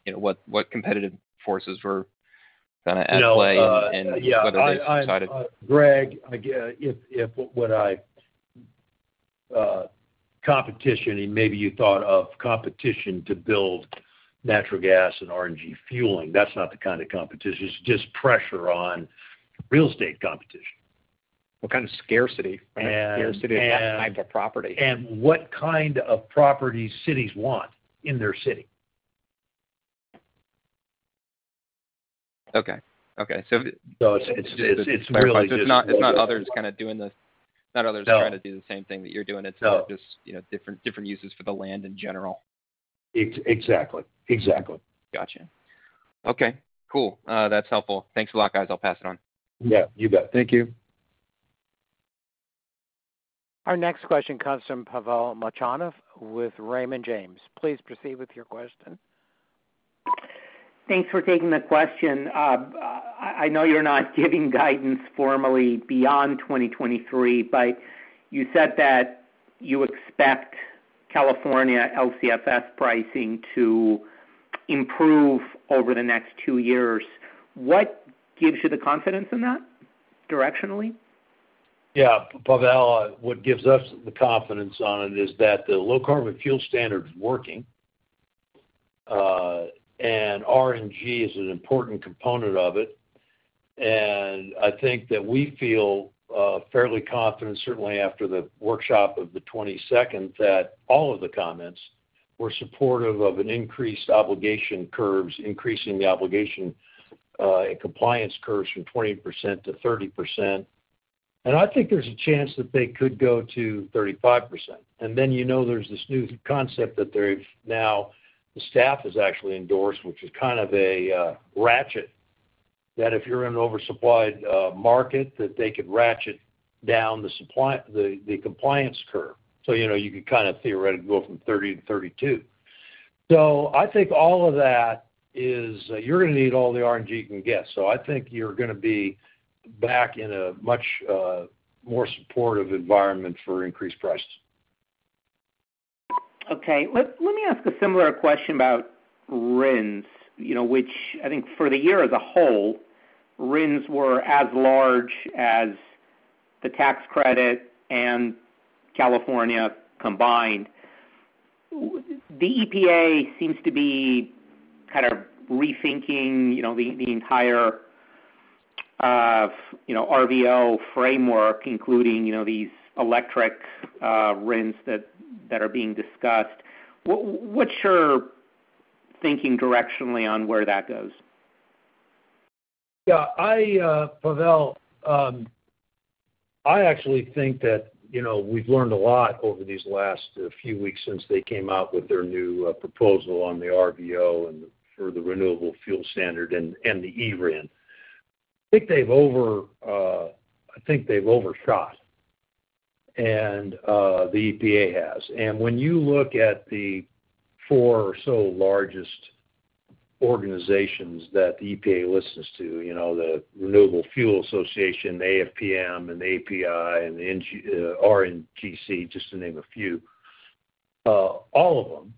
know, what competitive forces were kinda at play and whether they. Yeah Greg again if competition, and maybe you thought of competition to build natural gas and RNG fueling. That's not the kind of competition. It's just pressure on real estate competition. What kind of scarcity? And, and- Scarcity of that type of property. What kind of properties cities want in their city. Okay. Okay. It's really. It's not others doing the not others. No... trying to do the same thing that you're doing. No. It's just, you know, different uses for the land in general. Exactly. Gotcha. Okay. Cool. That's helpful. Thanks a lot guys. I'll pass it on. Yeah, you bet. Thank you. Our next question comes from Pavel Molchanov with Raymond James. Please proceed with your question. Thanks for taking the question. I know you're not giving guidance formally beyond 2023, but you said that you expect California LCFS pricing to improve over the next two years. What gives you the confidence in that, directionally? Yeah. Pavel, what gives us the confidence on it is that the Low Carbon Fuel Standard is working, and RNG is an important component of it. I think that we feel fairly confident, certainly after the workshop of the twenty-second, that all of the comments were supportive of an increased obligation curves, increasing the obligation and compliance curves from 20%-30%. I think there's a chance that they could go to 35%. You know, there's this new concept that the staff has actually endorsed, which is kind of a ratchet, that if you're in an oversupplied market, that they could ratchet down the compliance curve. You know, you could kind of theoretically go from 30%-32%. I think all of that is you're gonna need all the RNG you can get. I think you're gonna be back in a much more supportive environment for increased prices. Okay. Let me ask a similar question about RINs, you know, which I think for the year as a whole, RINs were as large as the tax credit and California combined. The EPA seems to be kind of rethinking, you know, the entire, you know, RVO framework, including, you know, these electric RINs that are being discussed. What's your thinking directionally on where that goes? Yeah I Pavel I actually think that, you know, we've learned a lot over these last few weeks since they came out with their new proposal on the RVO and for the Renewable Fuel Standard and the eRIN. I think they've overshot and the EPA has. When you look at the four or so largest organizations that the EPA listens to, you know, the Renewable Fuels Association, the AFPM, and the API, and the RNGC, just to name a few, all of them,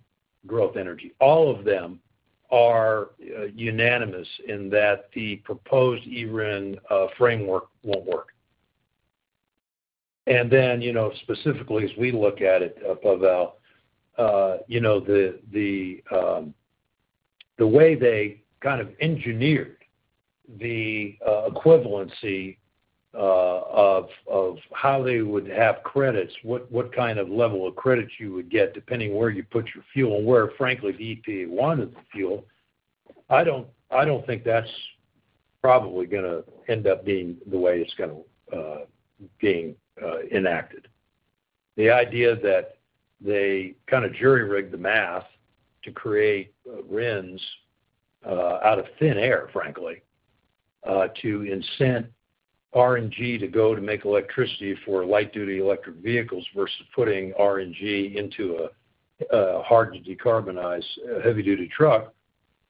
Growth Energy, all of them are unanimous in that the proposed eRIN framework won't work. you know, specifically as we look at it, Pavel, you know, the way they kind of engineered the equivalency of how they would have credits, what kind of level of credits you would get depending where you put your fuel and where frankly the EPA wanted the fuel, I don't think that's probably gonna end up being the way it's gonna being enacted. The idea that they kinda jury-rigged the math to create RINs out of thin air, frankly, to incent RNG to go to make electricity for light-duty electric vehicles versus putting RNG into a hard-to-decarbonize heavy-duty truck,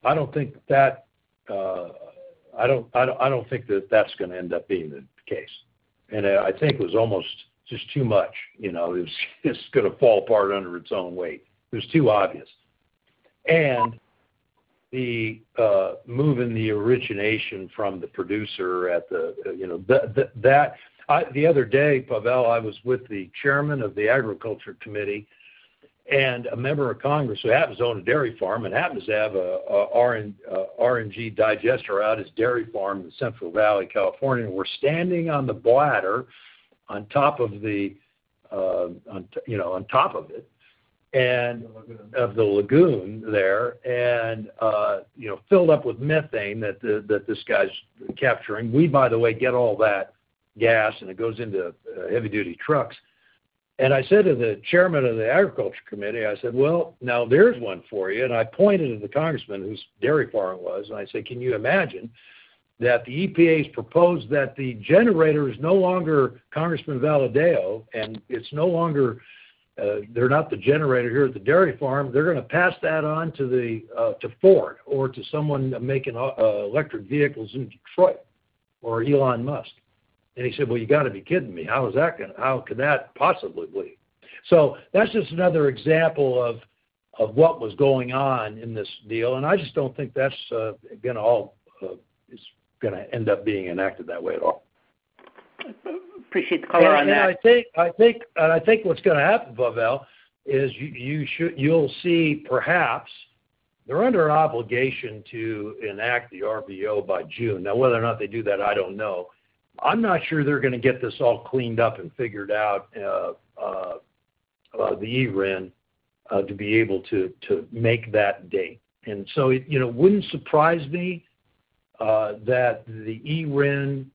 I don't think that, I don't think that that's gonna end up being the case. I think it was almost just too much, you know. It's gonna fall apart under its own weight. It was too obvious. The move in the origination from the producer at the, you know... The other day, Pavel, I was with the chairman of the Agriculture Committee and a member of Congress who happens to own a dairy farm and happens to have a RNG digester at his dairy farm in Central Valley, California. We're standing on the bladder on top of the, on, you know, on top of it. And of the lagoon there and, you know, filled up with methane that this guy's capturing. We, by the way, get all that gas, and it goes into heavy-duty trucks. I said to the chairman of the Agriculture Committee, I said, "Well, now there's one for you." I pointed at the congressman whose dairy farm it was, and I said, "Can you imagine that the EPA's proposed that the generator is no longer Congressman Valadao, and it's no longer, they're not the generator here at the dairy farm. They're gonna pass that on to the to Ford or to someone making electric vehicles in Detroit or Elon Musk." He said, "Well, you gotta be kidding me. How can that possibly be?" That's just another example of what was going on in this deal, and I just don't think that's gonna all is gonna end up being enacted that way at all. Appreciate the color on that. I think what's gonna happen, Pavel, is you'll see perhaps they're under an obligation to enact the RVO by June. Now, whether or not they do that, I don't know. I'm not sure they're gonna get this all cleaned up and figured out, the eRIN, to make that date. It, you know, wouldn't surprise me that the eRIN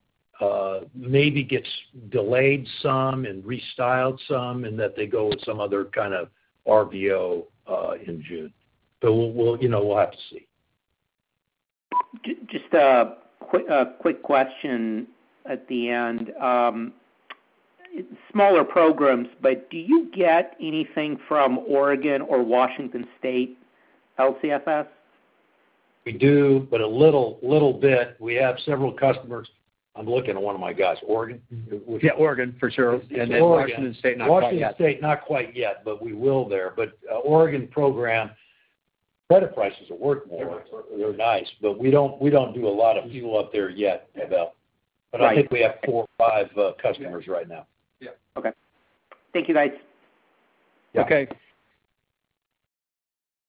maybe gets delayed some and restyled some and that they go with some other kind of RVO in June. We'll, you know, we'll have to see. Just a quick question at the end. Smaller programs, do you get anything from Oregon or Washington State LCFS? We do, but a little bit. We have several customers... I'm looking at one of my guys. Oregon? Mm-hmm. Which- Yeah, Oregon for sure. It's Oregon. Washington State, not quite yet. Washington State, not quite yet, but we will there. Oregon program, credit prices are worth more. They're worth more. They're nice, but we don't do a lot of fuel up there yet, Pavel. Right. I think we have four or five customers right now. Yeah. Okay. Thank you, guys. Yeah. Okay.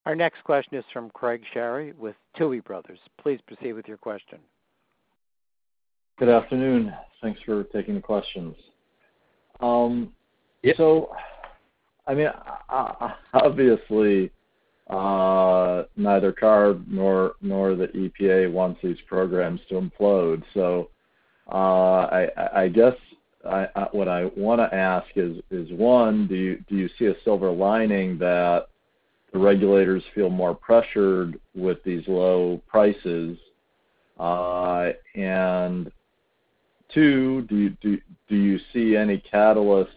Our next question is from Craig Shere with Tuohy Brothers. Please proceed with your question. Good afternoon. Thanks for taking the questions. Yeah. I mean, obviously, neither CARB nor the EPA wants these programs to implode. I guess I, what I wanna ask is one, do you see a silver lining that the regulators feel more pressured with these low prices? Two, do you see any catalysts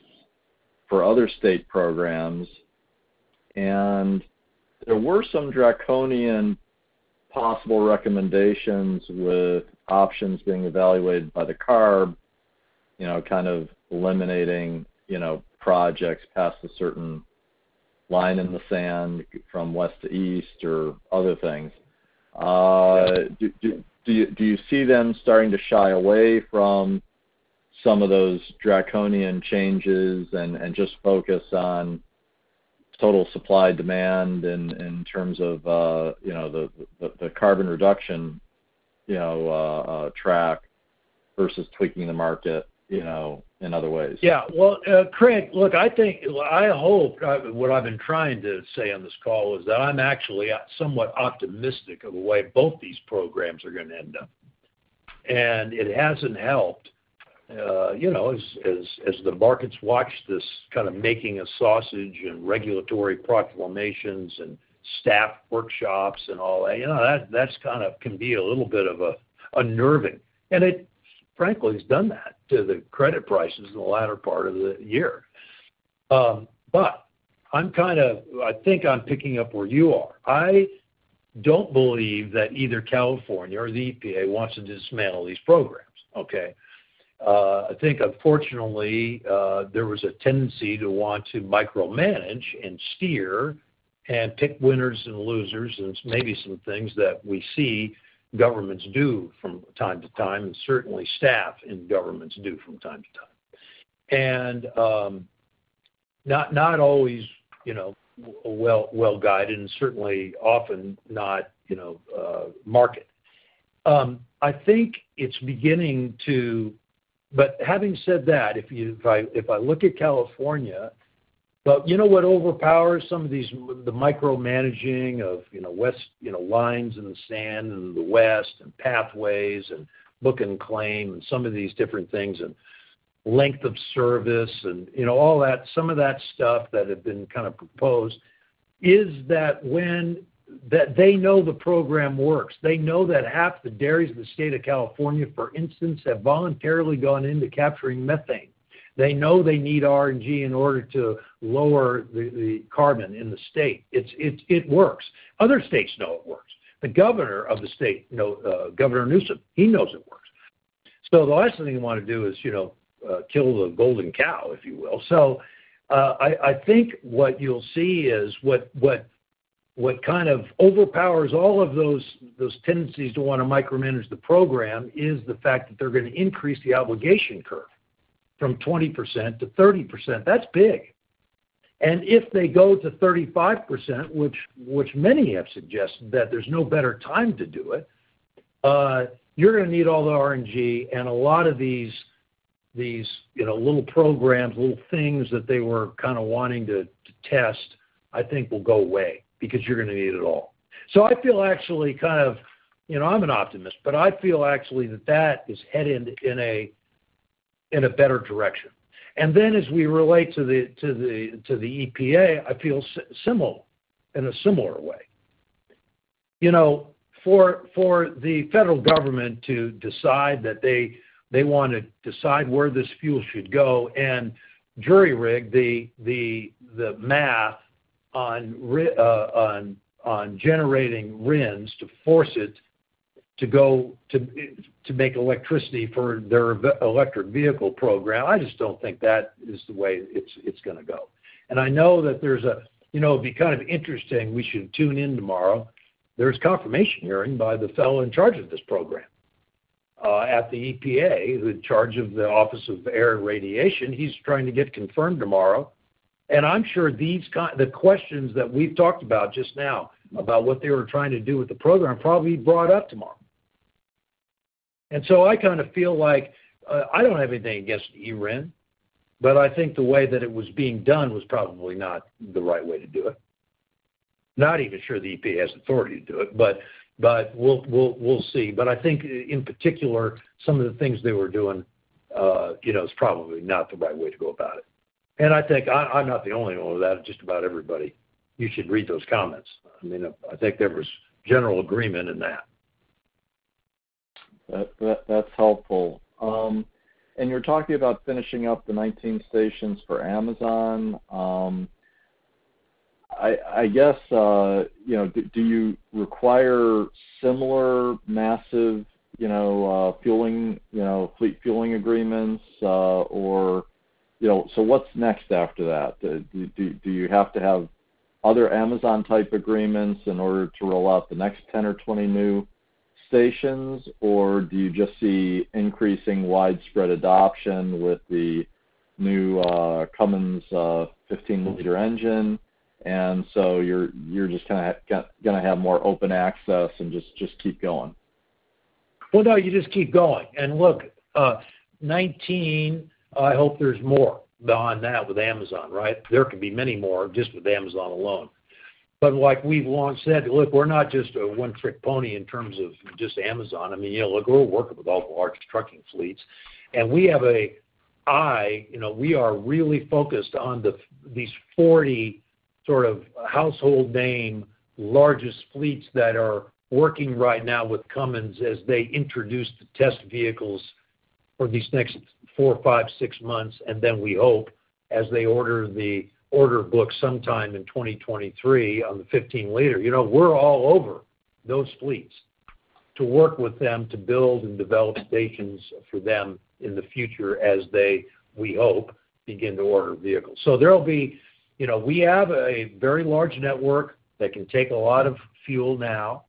for other state programs? There were some draconian possible recommendations with options being evaluated by the CARB, you know, kind of eliminating, you know, projects past a certain line in the sand from west to east or other things. Do you see them starting to shy away from some of those draconian changes and just focus on total supply demand in terms of, you know, the carbon reduction, you know, track versus tweaking the market, you know, in other ways? Well, Craig, look, I think I hope what I've been trying to say on this call is that I'm actually somewhat optimistic of the way both these programs are gonna end up. It hasn't helped, you know, as, as the markets watch this kind of making a sausage and regulatory proclamations and staff workshops and all that. You know, that's kind of can be a little bit of unnerving. It frankly has done that to the credit prices in the latter part of the year. I think I'm picking up where you are. I don't believe that either California or the EPA wants to dismantle these programs, okay? I think unfortunately, there was a tendency to want to micromanage and steer and pick winners and losers, and it's maybe some things that we see governments do from time to time, and certainly staff in governments do from time to time. Not always, you know, well, well-guided and certainly often not, you know, market. I think it's beginning to... Having said that, if I look at California... You know what overpowers some of these, the micromanaging of, you know, west, you know, lines in the sand and the west and pathways and Book and claim and some of these different things and length of service and, you know, all that, some of that stuff that had been kind of proposed is that they know the program works. They know that half the dairies in the state of California, for instance, have voluntarily gone into capturing methane. They know they need RNG in order to lower the carbon in the state. It works. Other states know it works. The governor of the state know Governor Newsom, he knows it works. The last thing you wanna do is, you know, kill the golden cow, if you will. I think what you'll see is what kind of overpowers all of those tendencies to wanna micromanage the program is the fact that they're gonna increase the obligation curve from 20%-30%. That's big. If they go to 35%, which many have suggested that there's no better time to do it. You're gonna need all the RNG and a lot of these, you know, little programs, little things that they were kinda wanting to test, I think will go away because you're gonna need it all. I feel actually kind of. You know, I'm an optimist, but I feel actually that that is headed in a, in a better direction. Then as we relate to the, to the, to the EPA, I feel similar in a similar way. You know, for the federal government to decide that they wanna decide where this fuel should go and jury rig the, the math on generating RINs to force it to go to make electricity for their electric vehicle program, I just don't think that is the way it's gonna go. I know that there's a... You know, it'd be kind of interesting, we should tune in tomorrow. There's a confirmation hearing by the fellow in charge of this program, at the EPA, in charge of the Office of Air and Radiation. He's trying to get confirmed tomorrow. I'm sure these questions that we've talked about just now about what they were trying to do with the program, probably he brought up tomorrow. I kinda feel like, I don't have anything against eRIN, but I think the way that it was being done was probably not the right way to do it. Not even sure the EPA has authority to do it, but we'll see. I think in particular, some of the things they were doing, you know, is probably not the right way to go about it. I think I'm not the only one with that. Just about everybody. You should read those comments. I mean, I think there was general agreement in that. That's helpful. And you're talking about finishing up the 19 stations for Amazon. I guess, you know, do you require similar massive, you know, fueling, you know, fleet fueling agreements? Or, you know, so what's next after that? Do you have to have other Amazon-type agreements in order to roll out the next 10 or 20 new stations? Or do you just see increasing widespread adoption with the new Cummins 15 L engine, and so you're just gonna have more open access and just keep going? Well, no, you just keep going. Look, 19, I hope there's more beyond that with Amazon, right? There could be many more just with Amazon alone. Like we've long said, look, we're not just a one-trick pony in terms of just Amazon. I mean, you know, look, we're working with all the large trucking fleets. We have a eye. You know, we are really focused on these 40 sort of household-name, largest fleets that are working right now with Cummins as they introduce the test vehicles for these next four, five, six months. We hope, as they order the order book sometime in 2023 on the 15 L. You know, we're all over those fleets to work with them to build and develop stations for them in the future as they, we hope, begin to order vehicles. There'll be... You know, we have a very large network that can take a lot of fuel now.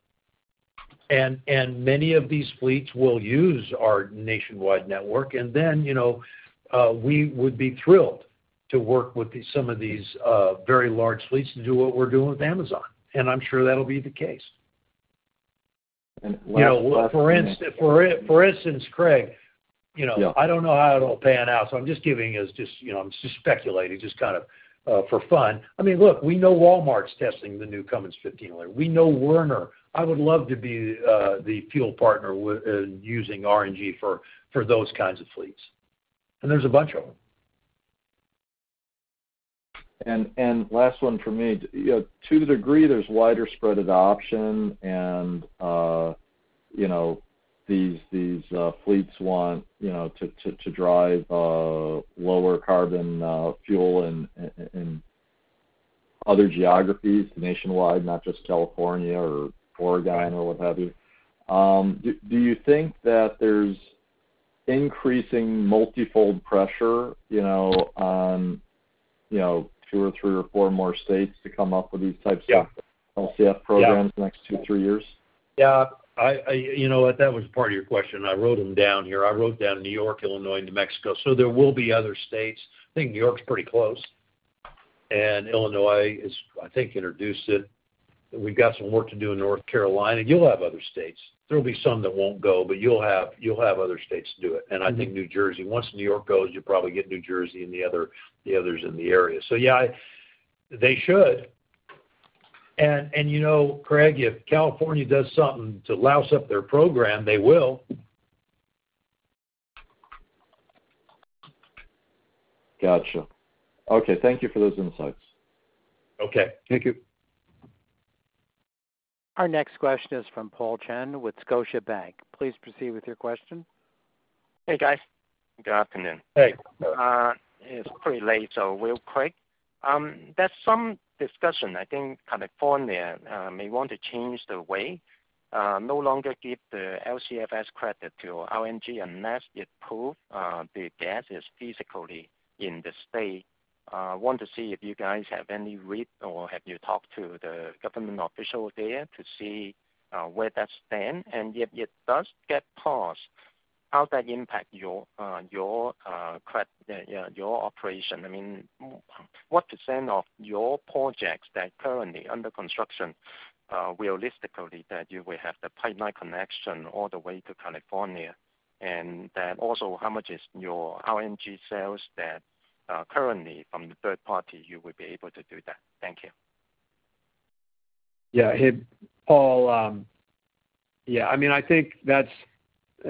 Many of these fleets will use our nationwide network. Then, you know, we would be thrilled to work with some of these, very large fleets to do what we're doing with Amazon. I'm sure that'll be the case. last. You know, for instance, Craig, you know... Yeah. I don't know how it'll pan out, so I'm just giving as just, you know, I'm just speculating just kind of for fun. I mean, look, we know Walmart's testing the new Cummins 15 L. We know Werner. I would love to be the fuel partner using RNG for those kinds of fleets. There's a bunch of them. Last one from me. To the degree there's wider spread adoption and, you know, these fleets want, you know, to drive lower carbon fuel in other geographies nationwide, not just California or Oregon or what have you, do you think that there's increasing multifold pressure, you know, on, you know, two or three or four more states to come up with these types of- Yeah. LCF programs in the next two, three years? Yeah. You know what, that was part of your question. I wrote them down here. I wrote down New York, Illinois, and New Mexico. There will be other states. I think New York's pretty close, and Illinois has, I think, introduced it. We've got some work to do in North Carolina. You'll have other states. There'll be some that won't go, but you'll have other states do it. I think New Jersey. Once New York goes, you'll probably get New Jersey and the others in the area. Yeah, they should. You know, Craig, if California does something to louse up their program, they will. Gotcha. Okay. Thank you for those insights. Okay. Thank you. Our next question is from Paul Cheng with Scotiabank. Please proceed with your question. Hey, guys. Good afternoon. Hey. It's pretty late, so real quick. There's some discussion, I think California may want to change the way no longer give the LCFS credit to RNG unless it prove the gas is physically in the state. Want to see if you guys have any read or have you talked to the government official there to see where that stand? If it does get passed, how that impact your, yeah, your operation? I mean, what % of your projects that currently under construction, realistically that you will have the pipeline connection all the way to California? Then also, how much is your RNG sales that currently from the third party you would be able to do that? Thank you. Yeah. Hey, Paul. I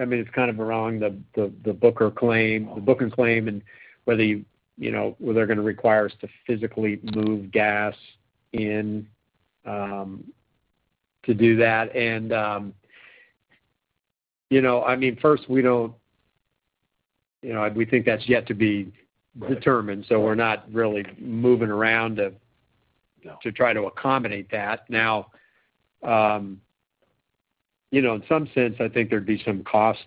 mean, it's kind of around the book or claim, the Book and claim and whether you know, whether they're gonna require us to physically move gas in to do that. You know, I mean, first we don't, you know, we think that's yet to be determined. Right. We're not really moving around. No... to try to accommodate that. You know, in some sense, I think there'd be some cost,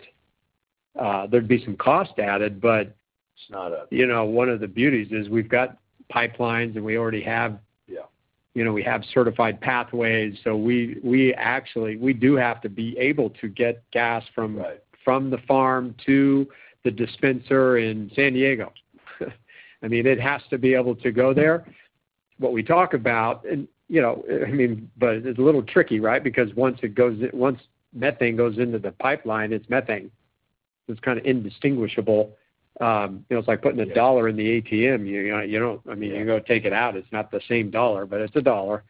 there'd be some cost added. It's not. You know, one of the beauties is we've got pipelines and we already have. Yeah... you know, we have certified pathways, so we actually, we do have to be able to get gas. Right... from the farm to the dispenser in San Diego. I mean, it has to be able to go there. What we talk about and, you know, I mean, but it's a little tricky, right? Once it goes in... Once methane goes into the pipeline, it's methane. It's kind of indistinguishable. You know, it's like putting a dollar in the ATM. You know, I mean, you go take it out, it's not the same dollar, but it's a dollar.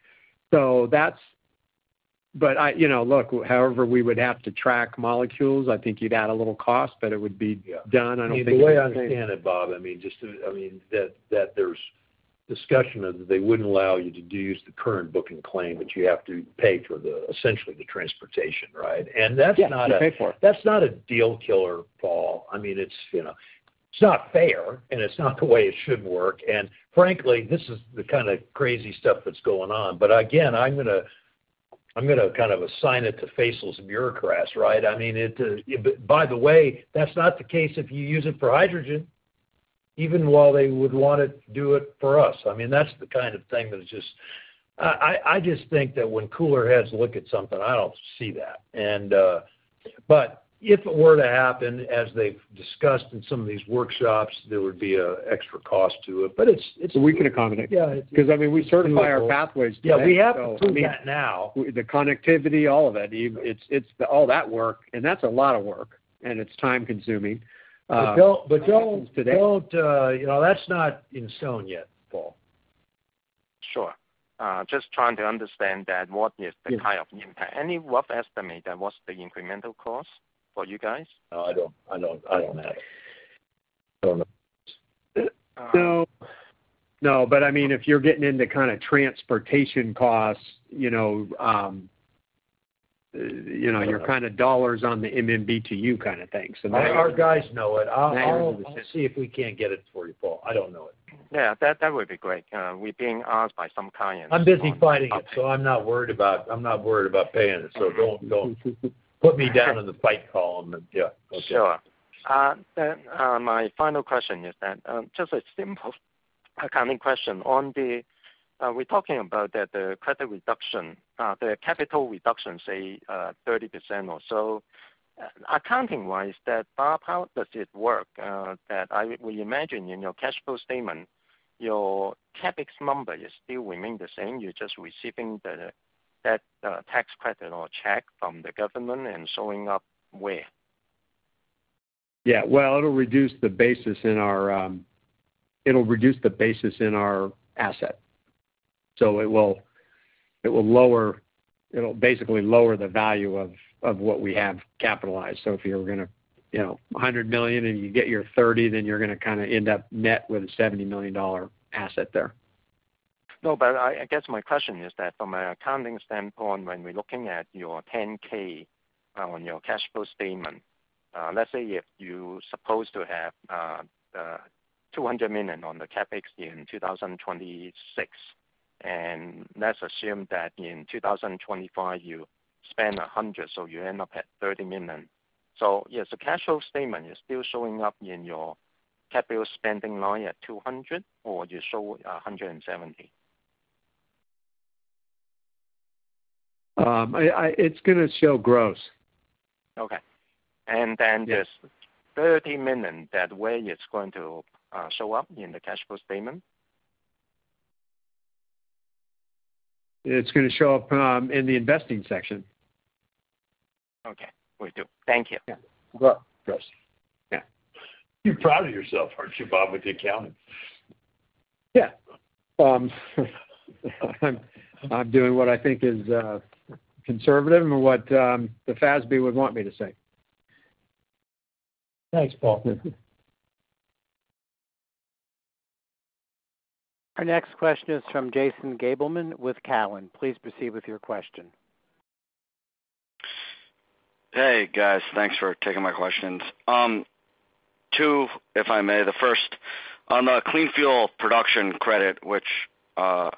You know, look, however we would have to track molecules, I think you'd add a little cost, but it would be- Yeah... done. I don't think- The way I understand it, Bob, I mean, that there's discussion of that they wouldn't allow you to use the current book and claim, but you have to pay for essentially the transportation, right? Yeah. You pay for it.... that's not a deal killer, Paul. I mean, it's, you know, it's not fair and it's not the way it should work. frankly, this is the kind of crazy stuff that's going on. again, I'm gonna kind of assign it to faceless bureaucrats, right? I mean, it... By the way, that's not the case if you use it for hydrogen, even while they would want to do it for us. I mean, that's the kind of thing that is just... I just think that when cooler heads look at something, I don't see that. if it were to happen as they've discussed in some of these workshops, there would be a extra cost to it. it's... We can accommodate. Yeah. I mean, we certified our pathways today. Yeah. We have to do that now. The connectivity, all of it. It's all that work, and that's a lot of work, and it's time consuming. Don't. As it is today.... don't, You know, that's not in stone yet, Paul. Sure. Just trying to understand that what is the kind of impact. Any rough estimate on what's the incremental cost for you guys? I don't have. Don't know. No. No, I mean, if you're getting into kinda transportation costs, you know, you know, your kinda dollars on the MMBtu kinda thing. Our guys know it. I'll see if we can't get it for you, Paul. I don't know it. Yeah, that would be great. We're being asked by some clients on the topic. I'm busy fighting it. I'm not worried about paying it. Don't... Put me down in the fight column. Yeah. Okay. Sure. My final question is just a simple accounting question. On the, we're talking about that the credit reduction, the capital reduction, say, 30% or so. Accounting-wise that, Bob, how does it work? We imagine in your cash flow statement, your CapEx number is still remain the same. You're just receiving the, that, tax credit or check from the government and showing up where? It'll reduce the basis in our asset. It will lower, it'll basically lower the value of what we have capitalized. If you're gonna, you know, $100 million and you get your $30, you're gonna kinda end up net with a $70 million asset there. No, I guess my question is that from an accounting standpoint, when we're looking at your 10-K on your cash flow statement, let's say if you supposed to have $200 million on the CapEx in 2026, and let's assume that in 2025 you spend $100 million, so you end up at $30 million. Yes, the cash flow statement is still showing up in your capital spending line at $200 million or you show $170 million? It's gonna show gross. Okay. This $30 million, that way it's going to show up in the cash flow statement? It's gonna show up in the investing section. Okay. Will do. Thank you. Yeah. Gross. Yeah. You're proud of yourself, aren't you, Bob, with the accounting? Yeah. I'm doing what I think is conservative and what the FASB would want me to say. Thanks, Paul. Our next question is from Jason Gabelman with Cowen. Please proceed with your question. Hey, guys. Thanks for taking my questions. Two, if I may. The first, on the Clean Fuel Production Credit, which I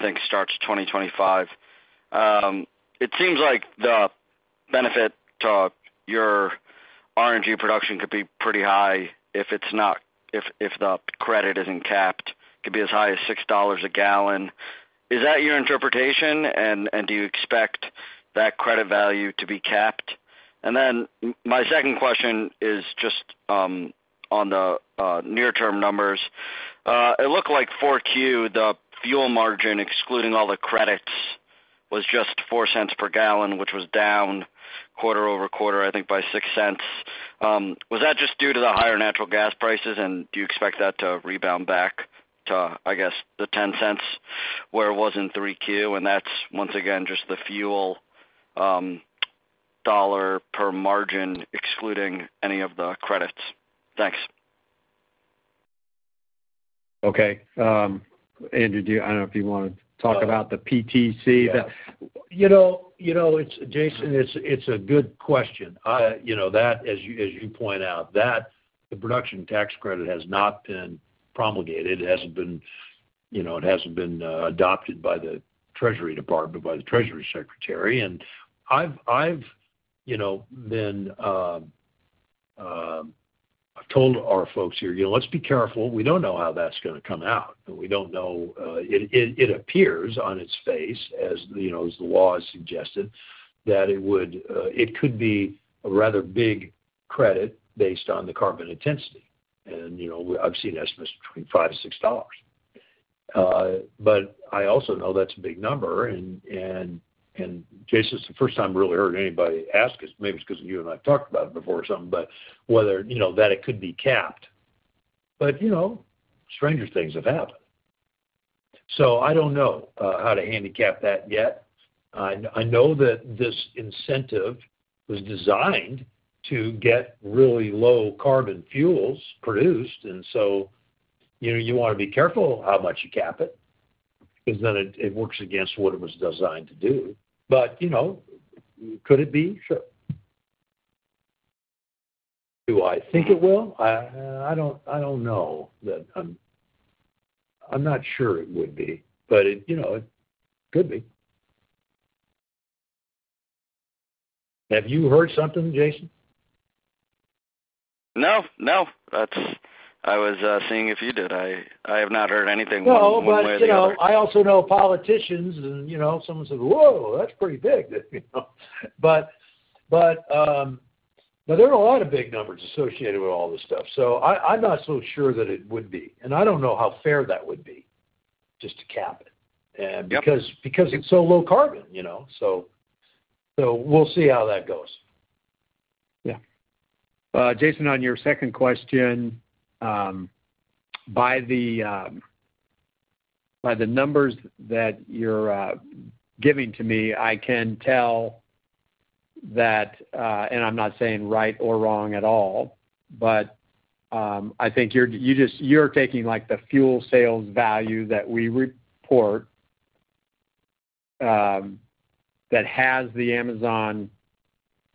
think starts 2025, it seems like the benefit to your RNG production could be pretty high if it's not, if the credit isn't capped. It could be as high as $6 a gallon. Is that your interpretation? Do you expect that credit value to be capped? My second question is just on the near term numbers. It looked like 4Q, the fuel margin, excluding all the credits, was just $0.04 per gallon, which was down quarter-over-quarter, I think by $0.06. Was that just due to the higher natural gas prices? Do you expect that to rebound back to, I guess, the $0.10 where it was in 3Q? That's once again just the fuel, dollar per margin, excluding any of the credits. Thanks. Okay. Andrew, I don't know if you wanna talk about the PTC. You know, Jason, it's a good question. I, you know, that as you point out, that the production tax credit has not been promulgated. It hasn't been, you know, it hasn't been adopted by the Treasury Department, by the Treasury Secretary. I've told our folks here, you know, let's be careful. We don't know how that's gonna come out. We don't know. It appears on its face as, you know, as the law has suggested, that it would, it could be a rather big credit based on the Carbon Intensity. You know, I've seen estimates between $5-$6. I also know that's a big number. Jason, it's the first time I really heard anybody ask us. Maybe it's 'cause you and I have talked about it before or something, but whether, you know, that it could be capped. You know, stranger things have happened. I don't know how to handicap that yet. I know that this incentive was designed to get really low carbon fuels produced. You know, you wanna be careful how much you cap it, because then it works against what it was designed to do. You know, could it be? Sure. Do I think it will? I don't, I don't know that I'm not sure it would be, but it, you know, it could be. Have you heard something, Jason? No, no, that's... I was seeing if you did. I have not heard anything one way or the other. No, you know, I also know politicians and, you know, someone said, "Whoa, that's pretty big," you know. But there are a lot of big numbers associated with all this stuff, so I'm not so sure that it would be. I don't know how fair that would be just to cap it. Yep. It's so low carbon, you know. We'll see how that goes. Yeah Jason on your second question, by the numbers that you're giving to me, I can tell that, and I'm not saying right or wrong at all, but, I think you're taking like the fuel sales value that we report, that has the Amazon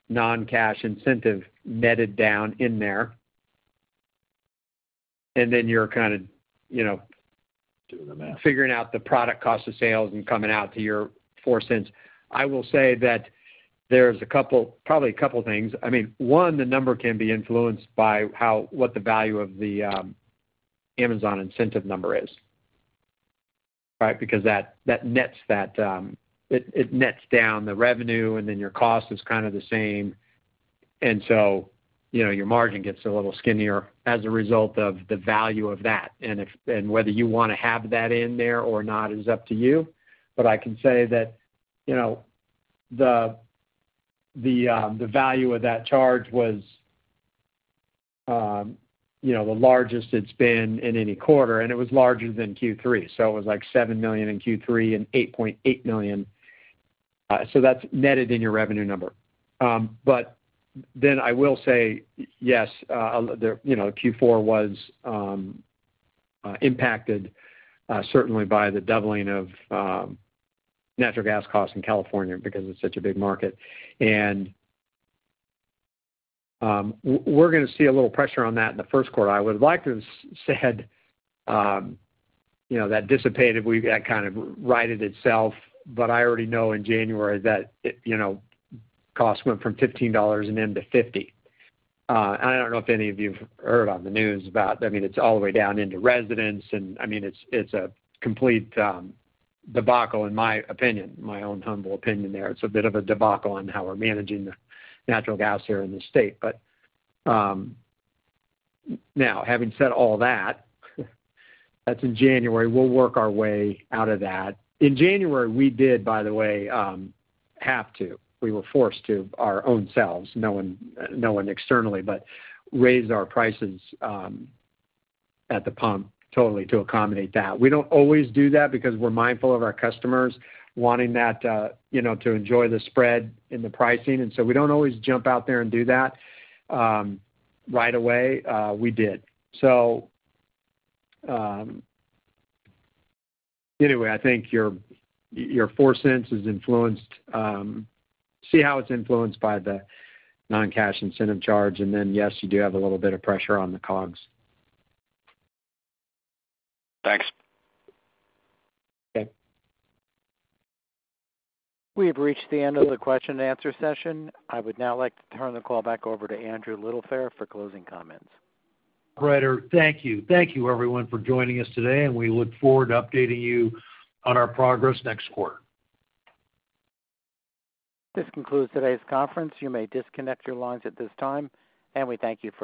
non-cash incentive netted down in there. You're kinda, you know... Doing the math.... figuring out the product cost of sales and coming out to your $0.04. I will say that there's a couple, probably a couple things. I mean, one, the number can be influenced by what the value of the Amazon incentive number is. Right? Because that nets that, it nets down the revenue, and then your cost is kinda the same. You know, your margin gets a little skinnier as a result of the value of that. Whether you wanna have that in there or not is up to you. I can say that, you know, the value of that charge was, you know, the largest it's been in any quarter, and it was larger than Q3, so it was like $7 million in Q3 and $8.8 million. That's netted in your revenue number. I will say yes, you know, Q4 was impacted certainly by the doubling of natural gas costs in California because it's such a big market. We're gonna see a little pressure on that in the first quarter. I would have liked to have said, you know, that dissipated. That kind of righted itself. I already know in January that it, you know, costs went from $15 and then to $50. I don't know if any of you have heard on the news about... I mean, it's all the way down into residence and, I mean, it's a complete debacle in my opinion, my own humble opinion there. It's a bit of a debacle on how we're managing the natural gas here in the state. Now, having said all that's in January. We'll work our way out of that. In January, we did, by the way, have to, we were forced to our own selves, no one, no one externally, but raise our prices at the pump totally to accommodate that. We don't always do that because we're mindful of our customers wanting that, you know, to enjoy the spread in the pricing, and so we don't always jump out there and do that right away. We did. Anyway, I think your $0.04 is influenced, see how it's influenced by the non-cash incentive charge and then, yes, you do have a little bit of pressure on the COGS. Thanks. Okay. We have reached the end of the question and answer session. I would now like to turn the call back over to Andrew Littlefair for closing comments. Operator thank you. Thank you everyone for joining us today. We look forward to updating you on our progress next quarter. This concludes today's conference. You may disconnect your lines at this time, and we thank you for your participation.